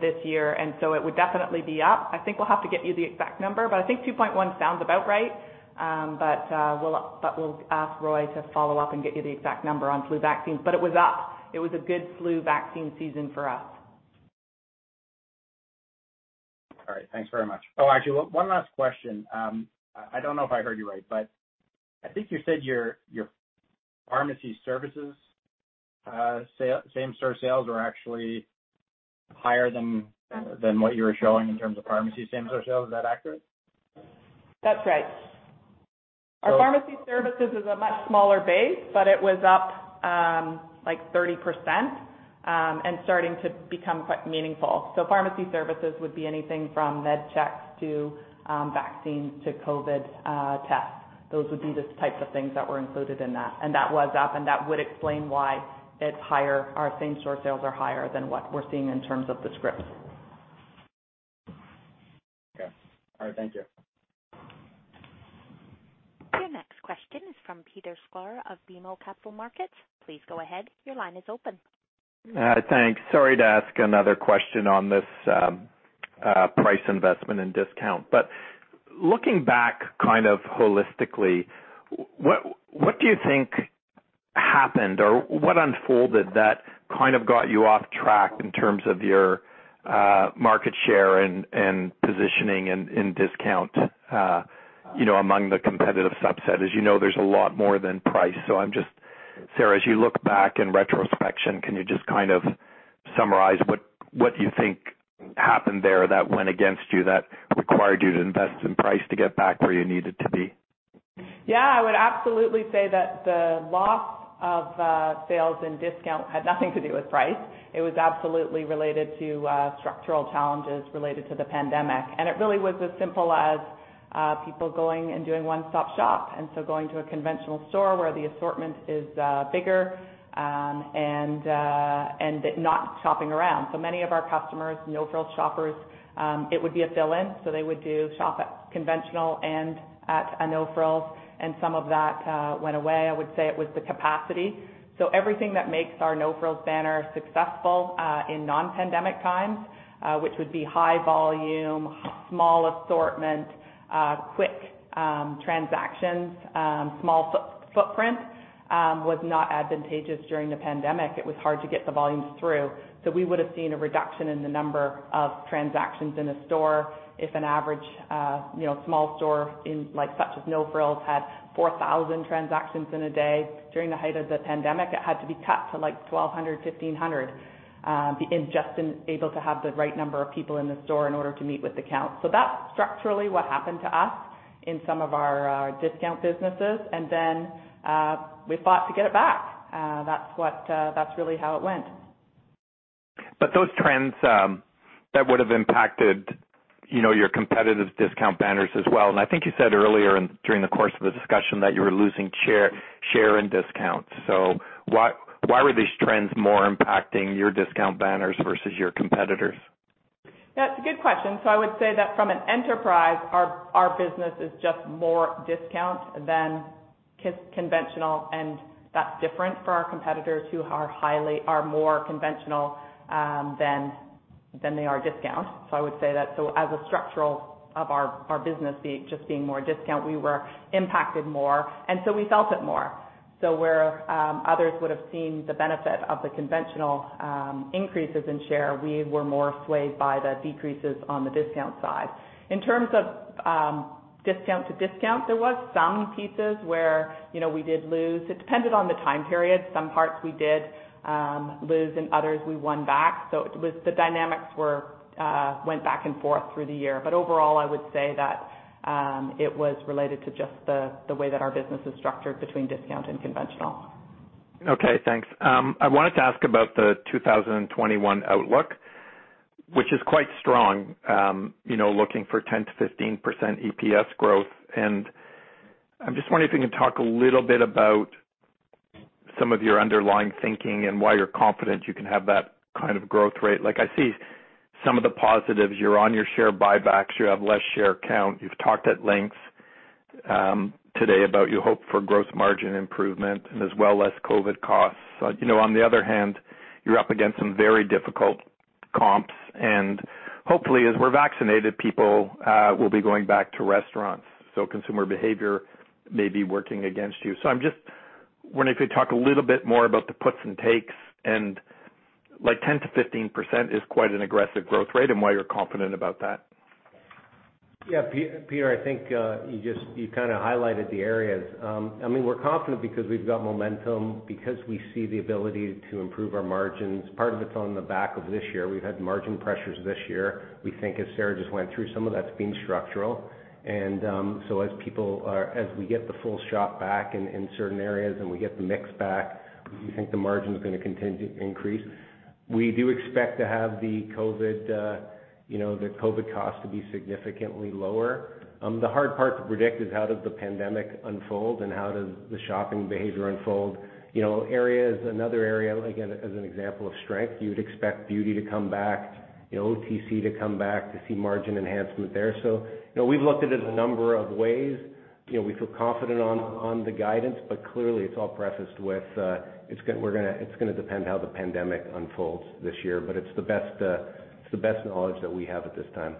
this year, and so it would definitely be up. I think we'll have to get you the exact number, but I think 2.1 sounds about right. But we'll ask Roy to follow up and get you the exact number on flu vaccines. But it was up. It was a good flu vaccine season for us. All right. Thanks very much. Oh, actually, one last question. I don't know if I heard you right, but I think you said your pharmacy services, same-store sales, were actually higher than what you were showing in terms of pharmacy same-store sales. Is that accurate? That's right. Our pharmacy services is a much smaller base, but it was up like 30% and starting to become quite meaningful. So pharmacy services would be anything from MedsCheck to vaccines to COVID tests. Those would be the types of things that were included in that. And that was up, and that would explain why it's higher. Our same-store sales are higher than what we're seeing in terms of the scripts. Okay. All right. Thank you. Your next question is from Peter Sklar of BMO Capital Markets. Please go ahead. Your line is open. Thanks. Sorry to ask another question on this price investment and discount. But looking back kind of holistically, what do you think happened, or what unfolded that kind of got you off track in terms of your market share and positioning and discount among the competitive subset? As you know, there's a lot more than price. So I'm just, Sarah, as you look back in retrospection, can you just kind of summarize what you think happened there that went against you, that required you to invest in price to get back where you needed to be? Yeah. I would absolutely say that the loss of sales and discount had nothing to do with price. It was absolutely related to structural challenges related to the pandemic. It really was as simple as people going and doing one-stop shop. So going to a conventional store where the assortment is bigger and not shopping around. So many of our customers, No Frills shoppers, it would be a fill-in. So they would do shop at conventional and at a No Frills. Some of that went away. I would say it was the capacity. Everything that makes our No Frills banner successful in non-pandemic times, which would be high volume, small assortment, quick transactions, small footprint, was not advantageous during the pandemic. It was hard to get the volumes through. So we would have seen a reduction in the number of transactions in a store if an average small store such as No Frills had 4,000 transactions in a day. During the height of the pandemic, it had to be cut to like 1,200, 1,500, just to be able to have the right number of people in the store in order to meet with the count. So that's structurally what happened to us in some of our discount businesses. And then we fought to get it back. That's really how it went. But those trends, that would have impacted your competitive discount banners as well. And I think you said earlier during the course of the discussion that you were losing share in discounts. So why were these trends more impacting your discount banners versus your competitors? That's a good question. So I would say that from an enterprise, our business is just more discount than conventional. And that's different for our competitors who are more conventional than they are discount. So I would say that. So as a structure of our business, just being more discount, we were impacted more. And so we felt it more. So where others would have seen the benefit of the conventional increases in share, we were more swayed by the decreases on the discount side. In terms of discount to discount, there were some pieces where we did lose. It depended on the time period. Some parts we did lose and others we won back. So the dynamics went back and forth through the year. But overall, I would say that it was related to just the way that our business is structured between discount and conventional. Okay. Thanks. I wanted to ask about the 2021 outlook, which is quite strong, looking for 10%-15% EPS growth. And I'm just wondering if you can talk a little bit about some of your underlying thinking and why you're confident you can have that kind of growth rate. I see some of the positives. You're on your share buybacks. You have less share count. You've talked at length today about your hope for gross margin improvement and as well as COVID costs. On the other hand, you're up against some very difficult comps. And hopefully, as we're vaccinated, people will be going back to restaurants. So consumer behavior may be working against you. So I'm just wondering if you could talk a little bit more about the puts and takes. And 10%-15% is quite an aggressive growth rate. And why you're confident about that? Yeah. Peter, I think you kind of highlighted the areas. I mean, we're confident because we've got momentum, because we see the ability to improve our margins. Part of it's on the back of this year. We've had margin pressures this year. We think, as Sarah just went through, some of that's been structural. And so as people, as we get the full shot back in certain areas and we get the mix back, we think the margin is going to continue to increase. We do expect to have the COVID costs to be significantly lower. The hard part to predict is how does the pandemic unfold and how does the shopping behavior unfold. Another area, again, as an example of strength, you would expect beauty to come back, OTC to come back, to see margin enhancement there. So we've looked at it a number of ways. We feel confident on the guidance, but clearly, it's all prefaced with it's going to depend how the pandemic unfolds this year, but it's the best knowledge that we have at this time.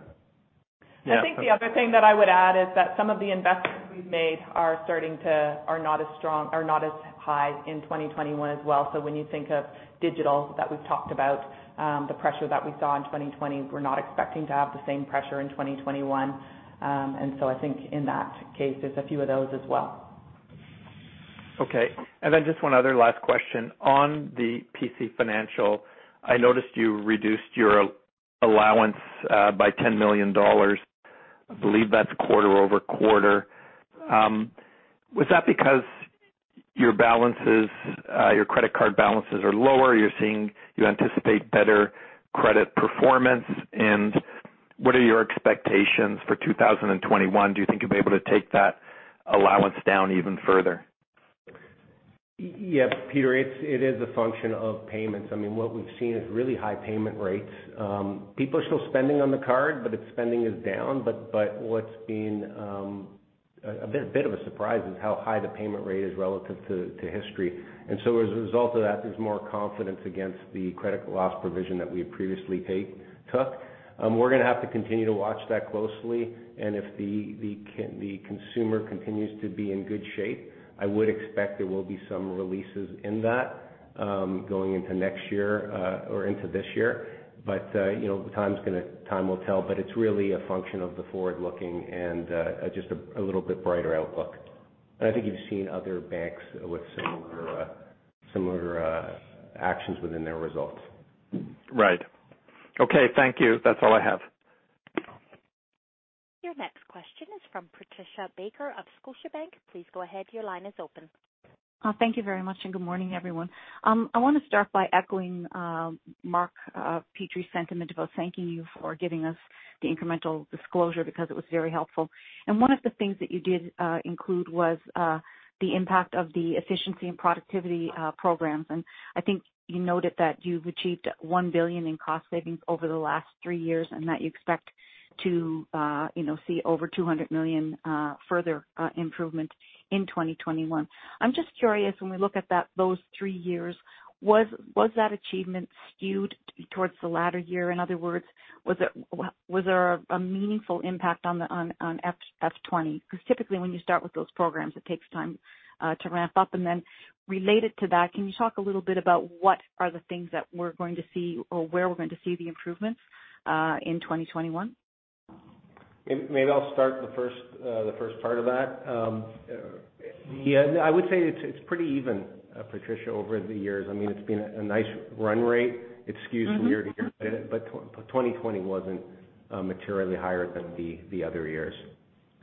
I think the other thing that I would add is that some of the investments we've made are starting to, are not as strong, are not as high in 2021 as well. So when you think of digital that we've talked about, the pressure that we saw in 2020, we're not expecting to have the same pressure in 2021, and so I think in that case, there's a few of those as well. Okay. And then just one other last question. On the PC Financial, I noticed you reduced your allowance by 10 million dollars. I believe that's quarter over quarter. Was that because your credit card balances are lower? You anticipate better credit performance. And what are your expectations for 2021? Do you think you'll be able to take that allowance down even further? Yeah. Peter, it is a function of payments. I mean, what we've seen is really high payment rates. People are still spending on the card, but spending is down. But what's been a bit of a surprise is how high the payment rate is relative to history. And so as a result of that, there's more confidence against the credit loss provision that we previously took. We're going to have to continue to watch that closely. And if the consumer continues to be in good shape, I would expect there will be some releases in that going into next year or into this year. But time will tell. But it's really a function of the forward-looking and just a little bit brighter outlook. And I think you've seen other banks with similar actions within their results. Right. Okay. Thank you. That's all I have. Your next question is from Patricia Baker of Scotiabank. Please go ahead. Your line is open. Thank you very much. Good morning, everyone. I want to start by echoing Mark Petrie's sentiment about thanking you for giving us the incremental disclosure because it was very helpful. One of the things that you did include was the impact of the efficiency and productivity programs. I think you noted that you've achieved 1 billion in cost savings over the last three years and that you expect to see over 200 million further improvement in 2021. I'm just curious, when we look at those three years, was that achievement skewed towards the latter year? In other words, was there a meaningful impact on F20? Because typically, when you start with those programs, it takes time to ramp up. And then related to that, can you talk a little bit about what are the things that we're going to see or where we're going to see the improvements in 2021? Maybe I'll start the first part of that. Yeah. I would say it's pretty even, Patricia, over the years. I mean, it's been a nice run rate. It skews from year to year, but 2020 wasn't materially higher than the other years.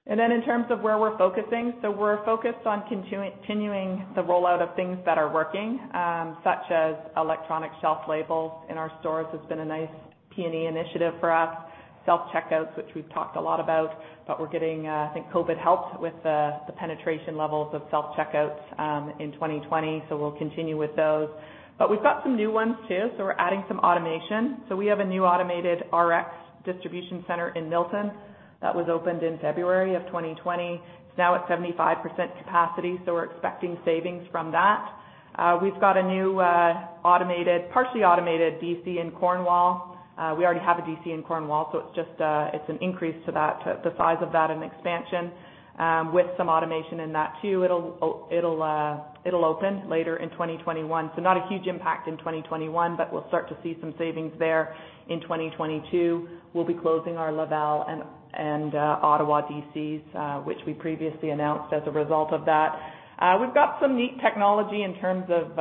And then in terms of where we're focusing, so we're focused on continuing the rollout of things that are working, such as electronic shelf labels in our stores. It's been a nice P&E initiative for us. Self-checkouts, which we've talked a lot about, but we're getting, I think COVID helped with the penetration levels of self-checkouts in 2020. So we'll continue with those. But we've got some new ones too. So we're adding some automation. So we have a new automated RX distribution center in Milton that was opened in February of 2020. It's now at 75% capacity. So we're expecting savings from that. We've got a new automated, partially automated DC in Cornwall. We already have a DC in Cornwall, so it's just an increase to that, the size of that and expansion with some automation in that too. It'll open later in 2021. So not a huge impact in 2021, but we'll start to see some savings there in 2022. We'll be closing our Laval and Ottawa DCs, which we previously announced as a result of that. We've got some neat technology in terms of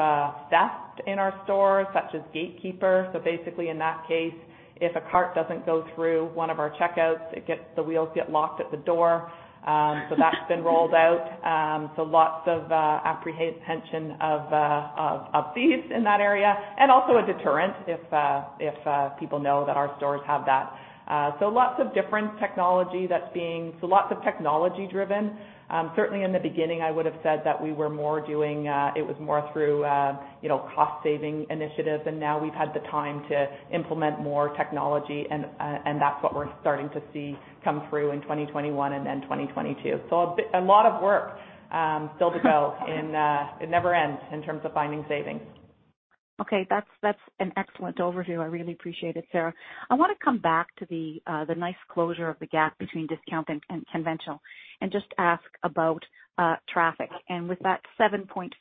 theft in our stores, such as Gatekeeper. So basically, in that case, if a cart doesn't go through one of our checkouts, the wheels get locked at the door. So that's been rolled out. So lots of apprehension of thieves in that area. And also a deterrent if people know that our stores have that. So lots of different technology that's being, so lots of technology-driven. Certainly, in the beginning, I would have said that we were more doing, it was more through cost-saving initiatives. And now we've had the time to implement more technology. And that's what we're starting to see come through in 2021 and then 2022. So a lot of work still to go. It never ends in terms of finding savings. Okay. That's an excellent overview. I really appreciate it, Sarah. I want to come back to the nice closure of the gap between discount and conventional and just ask about traffic. And with that 7.4%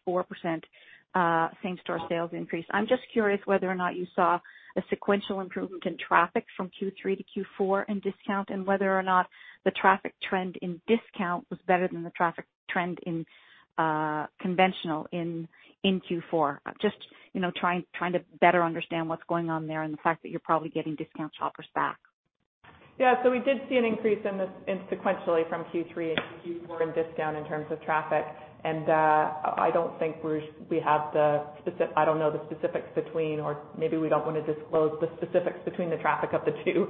same-store sales increase, I'm just curious whether or not you saw a sequential improvement in traffic from Q3 to Q4 in discount and whether or not the traffic trend in discount was better than the traffic trend in conventional in Q4. Just trying to better understand what's going on there and the fact that you're probably getting discount shoppers back. Yeah, so we did see an increase, sequentially, from Q3 to Q4 in discount in terms of traffic, and I don't think we have the, I don't know the specifics between, or maybe we don't want to disclose the specifics between the traffic of the two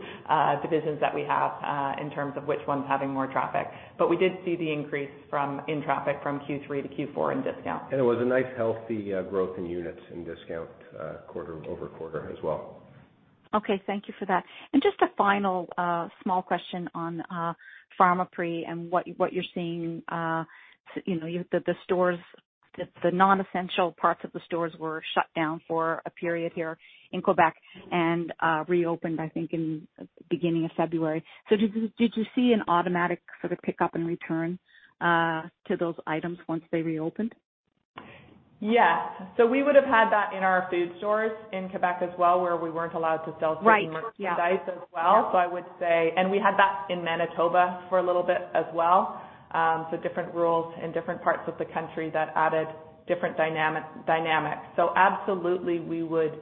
divisions that we have in terms of which one's having more traffic, but we did see the increase in traffic from Q3 to Q4 in discount. It was a nice, healthy growth in units in discount over quarter as well. Okay. Thank you for that. And just a final small question on Pharmaprix and what you're seeing. The stores, the non-essential parts of the stores were shut down for a period here in Quebec and reopened, I think, in the beginning of February. So did you see an automatic sort of pickup and return to those items once they reopened? Yeah. So we would have had that in our food stores in Quebec as well, where we weren't allowed to sell food and merchandise as well. So I would say, and we had that in Manitoba for a little bit as well. So different rules in different parts of the country that added different dynamics. So absolutely, we would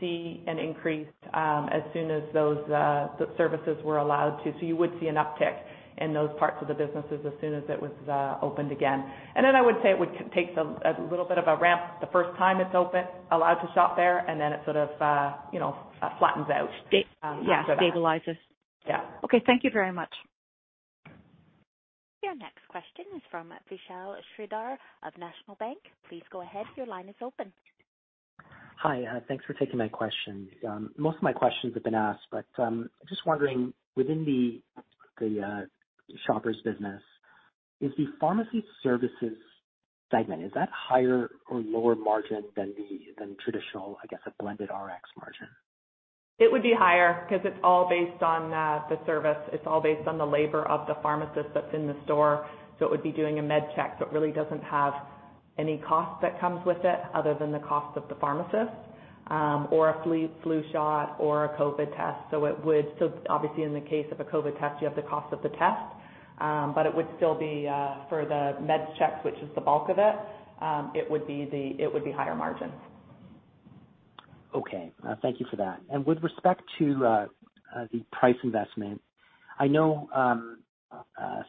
see an increase as soon as those services were allowed to. So you would see an uptick in those parts of the businesses as soon as it was opened again. And then I would say it takes a little bit of a ramp the first time it's allowed to shop there, and then it sort of flattens out. Yeah. Stabilizes. Yeah. Okay. Thank you very much. Your next question is from Vishal Shreedhar of National Bank. Please go ahead. Your line is open. Hi. Thanks for taking my question. Most of my questions have been asked, but I'm just wondering, within the Shoppers' business, is the pharmacy services segment, is that higher or lower margin than traditional, I guess, a blended RX margin? It would be higher because it's all based on the service. It's all based on the labor of the pharmacist that's in the store. So it would be doing a MedsCheck. So it really doesn't have any cost that comes with it other than the cost of the pharmacist or a flu shot or a COVID test. So obviously, in the case of a COVID test, you have the cost of the test. But it would still be for the MedsCheck, which is the bulk of it, it would be higher margin. Okay. Thank you for that, and with respect to the price investment, I know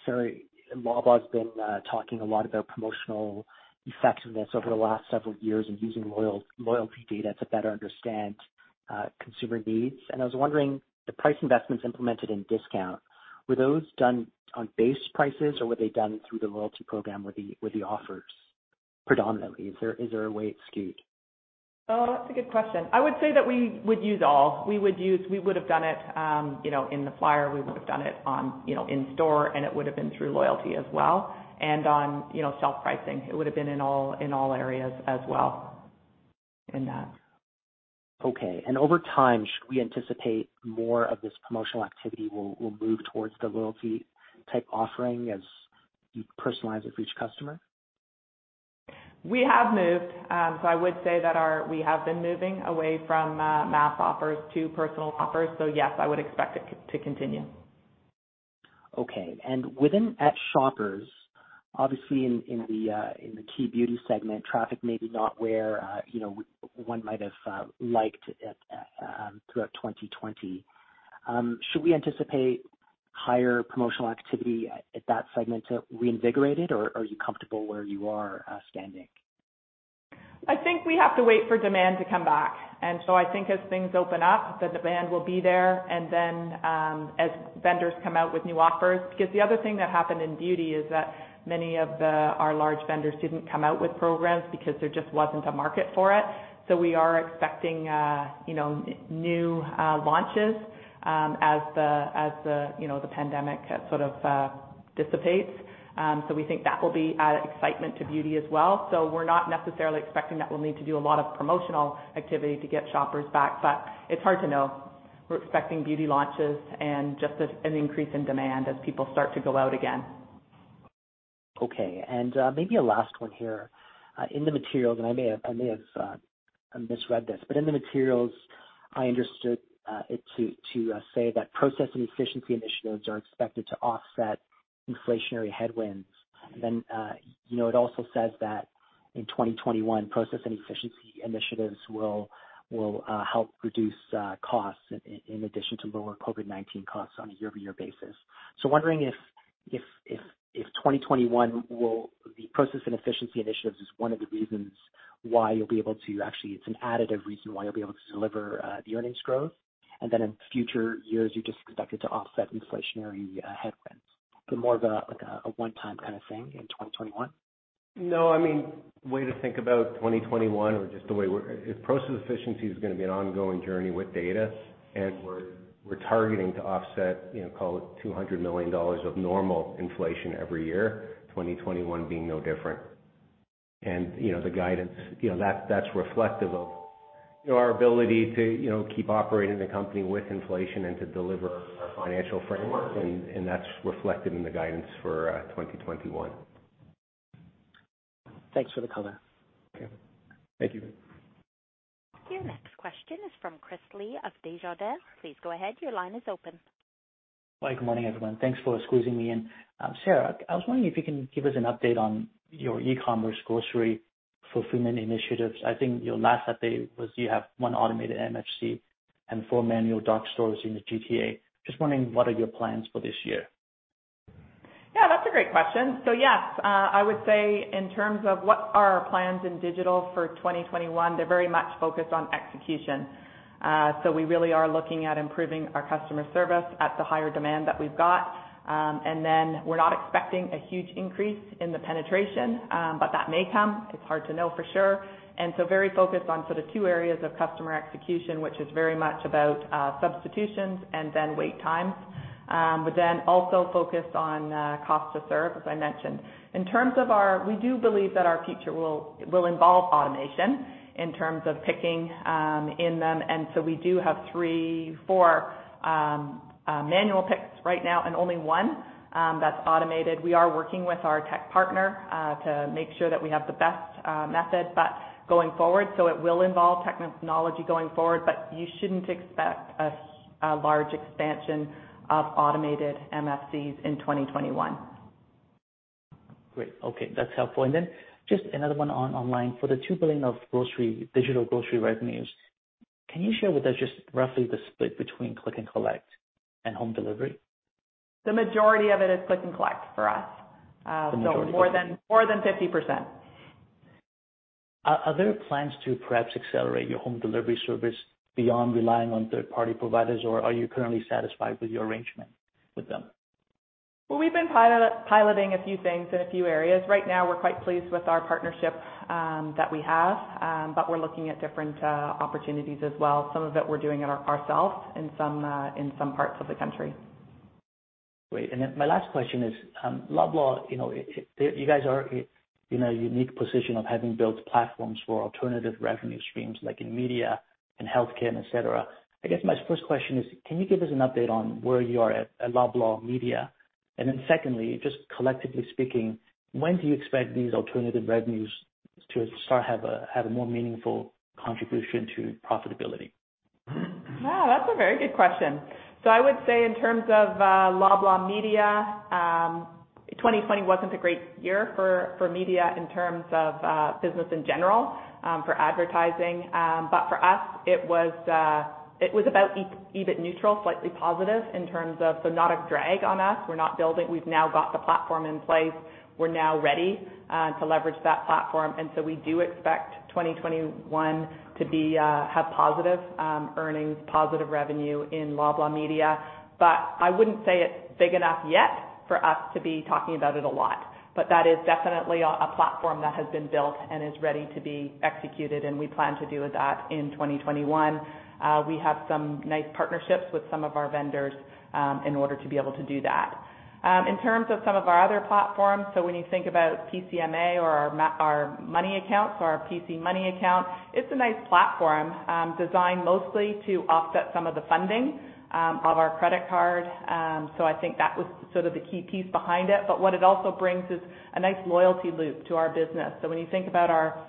Sarah Davis has been talking a lot about promotional effectiveness over the last several years and using loyalty data to better understand consumer needs, and I was wondering, the price investments implemented in discount, were those done on base prices, or were they done through the loyalty program with the offers predominantly? Is there a way it's skewed? Oh, that's a good question. I would say that we would use all. We would have done it in the flyer. We would have done it in-store, and it would have been through loyalty as well. And on shelf pricing, it would have been in all areas as well in that. Okay. And over time, should we anticipate more of this promotional activity will move towards the loyalty-type offering as you personalize it for each customer? We have moved. So I would say that we have been moving away from mass offers to personal offers. So yes, I would expect it to continue. Okay. And within Shoppers, obviously, in the key beauty segment, traffic may be not where one might have liked throughout 2020. Should we anticipate higher promotional activity at that segment to reinvigorate it, or are you comfortable where you are standing? I think we have to wait for demand to come back. And so I think as things open up, the demand will be there. And then as vendors come out with new offers because the other thing that happened in beauty is that many of our large vendors didn't come out with programs because there just wasn't a market for it. So we are expecting new launches as the pandemic sort of dissipates. So we think that will be added excitement to beauty as well. So we're not necessarily expecting that we'll need to do a lot of promotional activity to get shoppers back, but it's hard to know. We're expecting beauty launches and just an increase in demand as people start to go out again. Okay. And maybe a last one here. In the materials, and I may have misread this, but in the materials, I understood it to say that process and efficiency initiatives are expected to offset inflationary headwinds. And then it also says that in 2021, process and efficiency initiatives will help reduce costs in addition to lower COVID-19 costs on a year-over-year basis. So wondering if 2021, the process and efficiency initiatives is one of the reasons why you'll be able to actually, it's an additive reason why you'll be able to deliver the earnings growth. And then in future years, you're just expected to offset inflationary headwinds. More of a one-time kind of thing in 2021? No. I mean, the way to think about 2021 or just the way we're—if process efficiency is going to be an ongoing journey with data, and we're targeting to offset, call it 200 million dollars of normal inflation every year, 2021 being no different. And the guidance, that's reflective of our ability to keep operating the company with inflation and to deliver our financial framework. And that's reflected in the guidance for 2021. Thanks for the color. Okay. Thank you. Your next question is from Chris Li of Desjardins. Please go ahead. Your line is open. Hi. Good morning, everyone. Thanks for squeezing me in. Sarah, I was wondering if you can give us an update on your e-commerce grocery fulfillment initiatives. I think your last update was you have one automated MFC and four manual dark stores in the GTA. Just wondering, what are your plans for this year? Yeah. That's a great question. So yes, I would say in terms of what are our plans in digital for 2021, they're very much focused on execution. So we really are looking at improving our customer service at the higher demand that we've got. And then we're not expecting a huge increase in the penetration, but that may come. It's hard to know for sure. And so very focused on sort of two areas of customer execution, which is very much about substitutions and then wait times, but then also focused on cost to serve, as I mentioned. In terms of our, we do believe that our future will involve automation in terms of picking in them. And so we do have three, four manual picks right now and only one that's automated. We are working with our tech partner to make sure that we have the best method, but going forward, so it will involve technology going forward, but you shouldn't expect a large expansion of automated MFCs in 2021. Great. Okay. That's helpful. And then just another one online for the 2 billion of digital grocery revenues. Can you share with us just roughly the split between Click and Collect and Home Delivery? The majority of it is Click and Collect for us. The majority of it? More than 50%. Are there plans to perhaps accelerate your home delivery service beyond relying on third-party providers, or are you currently satisfied with your arrangement with them? We've been piloting a few things in a few areas. Right now, we're quite pleased with our partnership that we have, but we're looking at different opportunities as well. Some of it we're doing ourselves in some parts of the country. Great. And then my last question is, Loblaw, you guys are in a unique position of having built platforms for alternative revenue streams like in media and healthcare, etc. I guess my first question is, can you give us an update on where you are at Loblaw Media? And then secondly, just collectively speaking, when do you expect these alternative revenues to start to have a more meaningful contribution to profitability? Yeah. That's a very good question. So I would say in terms of Loblaw Media, 2020 wasn't a great year for media in terms of business in general, for advertising. But for us, it was about EBIT neutral, slightly positive in terms of so not a drag on us. We're not building. We've now got the platform in place. We're now ready to leverage that platform. And so we do expect 2021 to have positive earnings, positive revenue in Loblaw Media. But I wouldn't say it's big enough yet for us to be talking about it a lot. But that is definitely a platform that has been built and is ready to be executed. And we plan to do that in 2021. We have some nice partnerships with some of our vendors in order to be able to do that. In terms of some of our other platforms, so when you think about PCMA or our money accounts or our PC Money Account, it's a nice platform designed mostly to offset some of the funding of our credit card, so I think that was sort of the key piece behind it, but what it also brings is a nice loyalty loop to our business, so when you think about our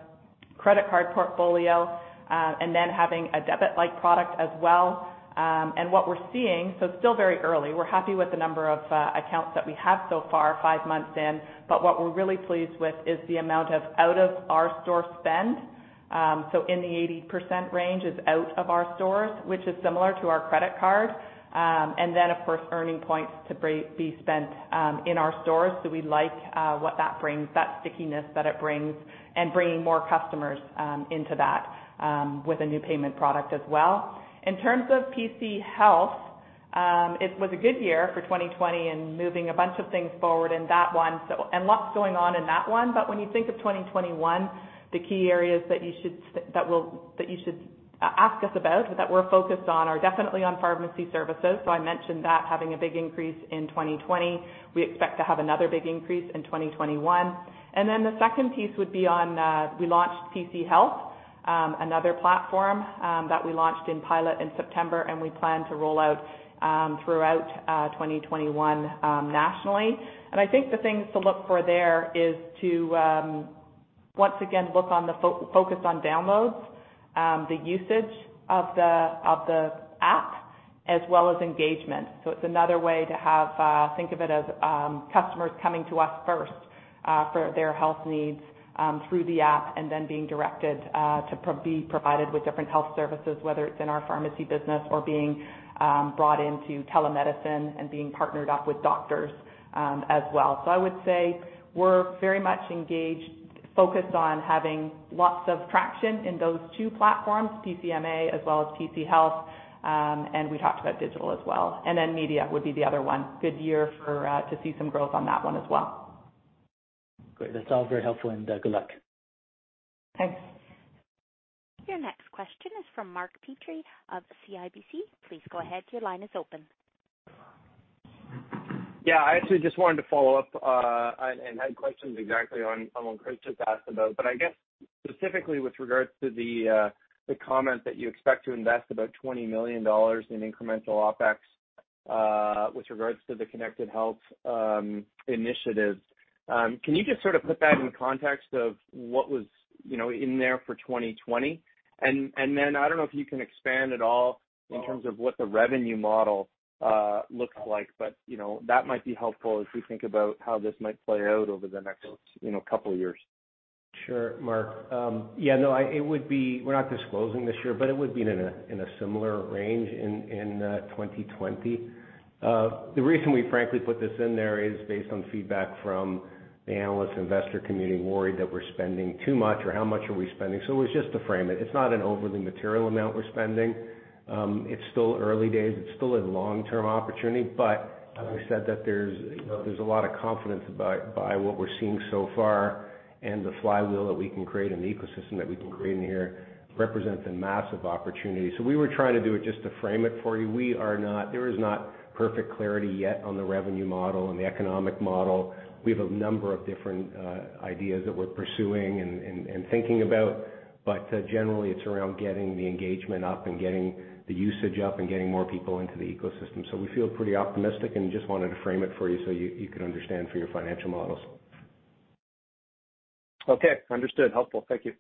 credit card portfolio and then having a debit-like product as well and what we're seeing, so it's still very early, we're happy with the number of accounts that we have so far, five months in, but what we're really pleased with is the amount of out-of-our-store spend, so in the 80% range is out of our stores, which is similar to our credit card, and then, of course, earning points to be spent in our stores. We like what that brings, that stickiness that it brings, and bringing more customers into that with a new payment product as well. In terms of PC Health, it was a good year for 2020 in moving a bunch of things forward in that one, and lots going on in that one. When you think of 2021, the key areas that you should ask us about that we're focused on are definitely on pharmacy services. I mentioned that having a big increase in 2020. We expect to have another big increase in 2021. Then the second piece would be on we launched PC Health, another platform that we launched in pilot in September, and we plan to roll out throughout 2021 nationally. And I think the things to look for there is to, once again, look on the focus on downloads, the usage of the app, as well as engagement. So it's another way to have, think of it as customers coming to us first for their health needs through the app and then being directed to be provided with different health services, whether it's in our pharmacy business or being brought into telemedicine and being partnered up with doctors as well. So I would say we're very much engaged, focused on having lots of traction in those two platforms, PCMA as well as PC Health. And we talked about digital as well. And then media would be the other one. Good year to see some growth on that one as well. Great. That's all very helpful. And good luck. Thanks. Your next question is from Mark Petrie of CIBC. Please go ahead. Your line is open. Yeah. I actually just wanted to follow up and had questions exactly on what Chris just asked about. But I guess specifically with regards to the comment that you expect to invest about 20 million dollars in incremental OpEx with regards to the connected health initiatives. Can you just sort of put that in context of what was in there for 2020? And then I don't know if you can expand at all in terms of what the revenue model looks like, but that might be helpful as we think about how this might play out over the next couple of years. Sure, Mark. Yeah. No, it would be. We're not disclosing this year, but it would be in a similar range in 2020. The reason we, frankly, put this in there is based on feedback from the analyst investor community worried that we're spending too much or how much are we spending. So it was just to frame it. It's not an overly material amount we're spending. It's still early days. It's still a long-term opportunity. But having said that, there's a lot of confidence by what we're seeing so far, and the flywheel that we can create and the ecosystem that we can create in here represents a massive opportunity. So we were trying to do it just to frame it for you. There is not perfect clarity yet on the revenue model and the economic model. We have a number of different ideas that we're pursuing and thinking about. But generally, it's around getting the engagement up and getting the usage up and getting more people into the ecosystem. So we feel pretty optimistic and just wanted to frame it for you so you can understand for your financial models. Okay. Understood. Helpful. Thank you.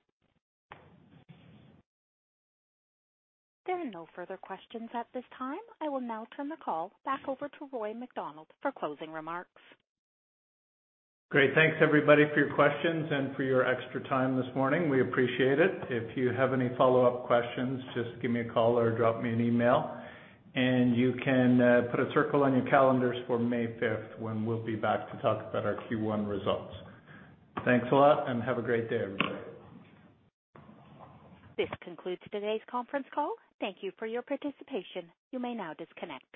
There are no further questions at this time. I will now turn the call back over to Roy MacDonald for closing remarks. Great. Thanks, everybody, for your questions and for your extra time this morning. We appreciate it. If you have any follow-up questions, just give me a call or drop me an email. And you can put a circle on your calendars for May 5th when we'll be back to talk about our Q1 results. Thanks a lot and have a great day, everybody. This concludes today's conference call. Thank you for your participation. You may now disconnect.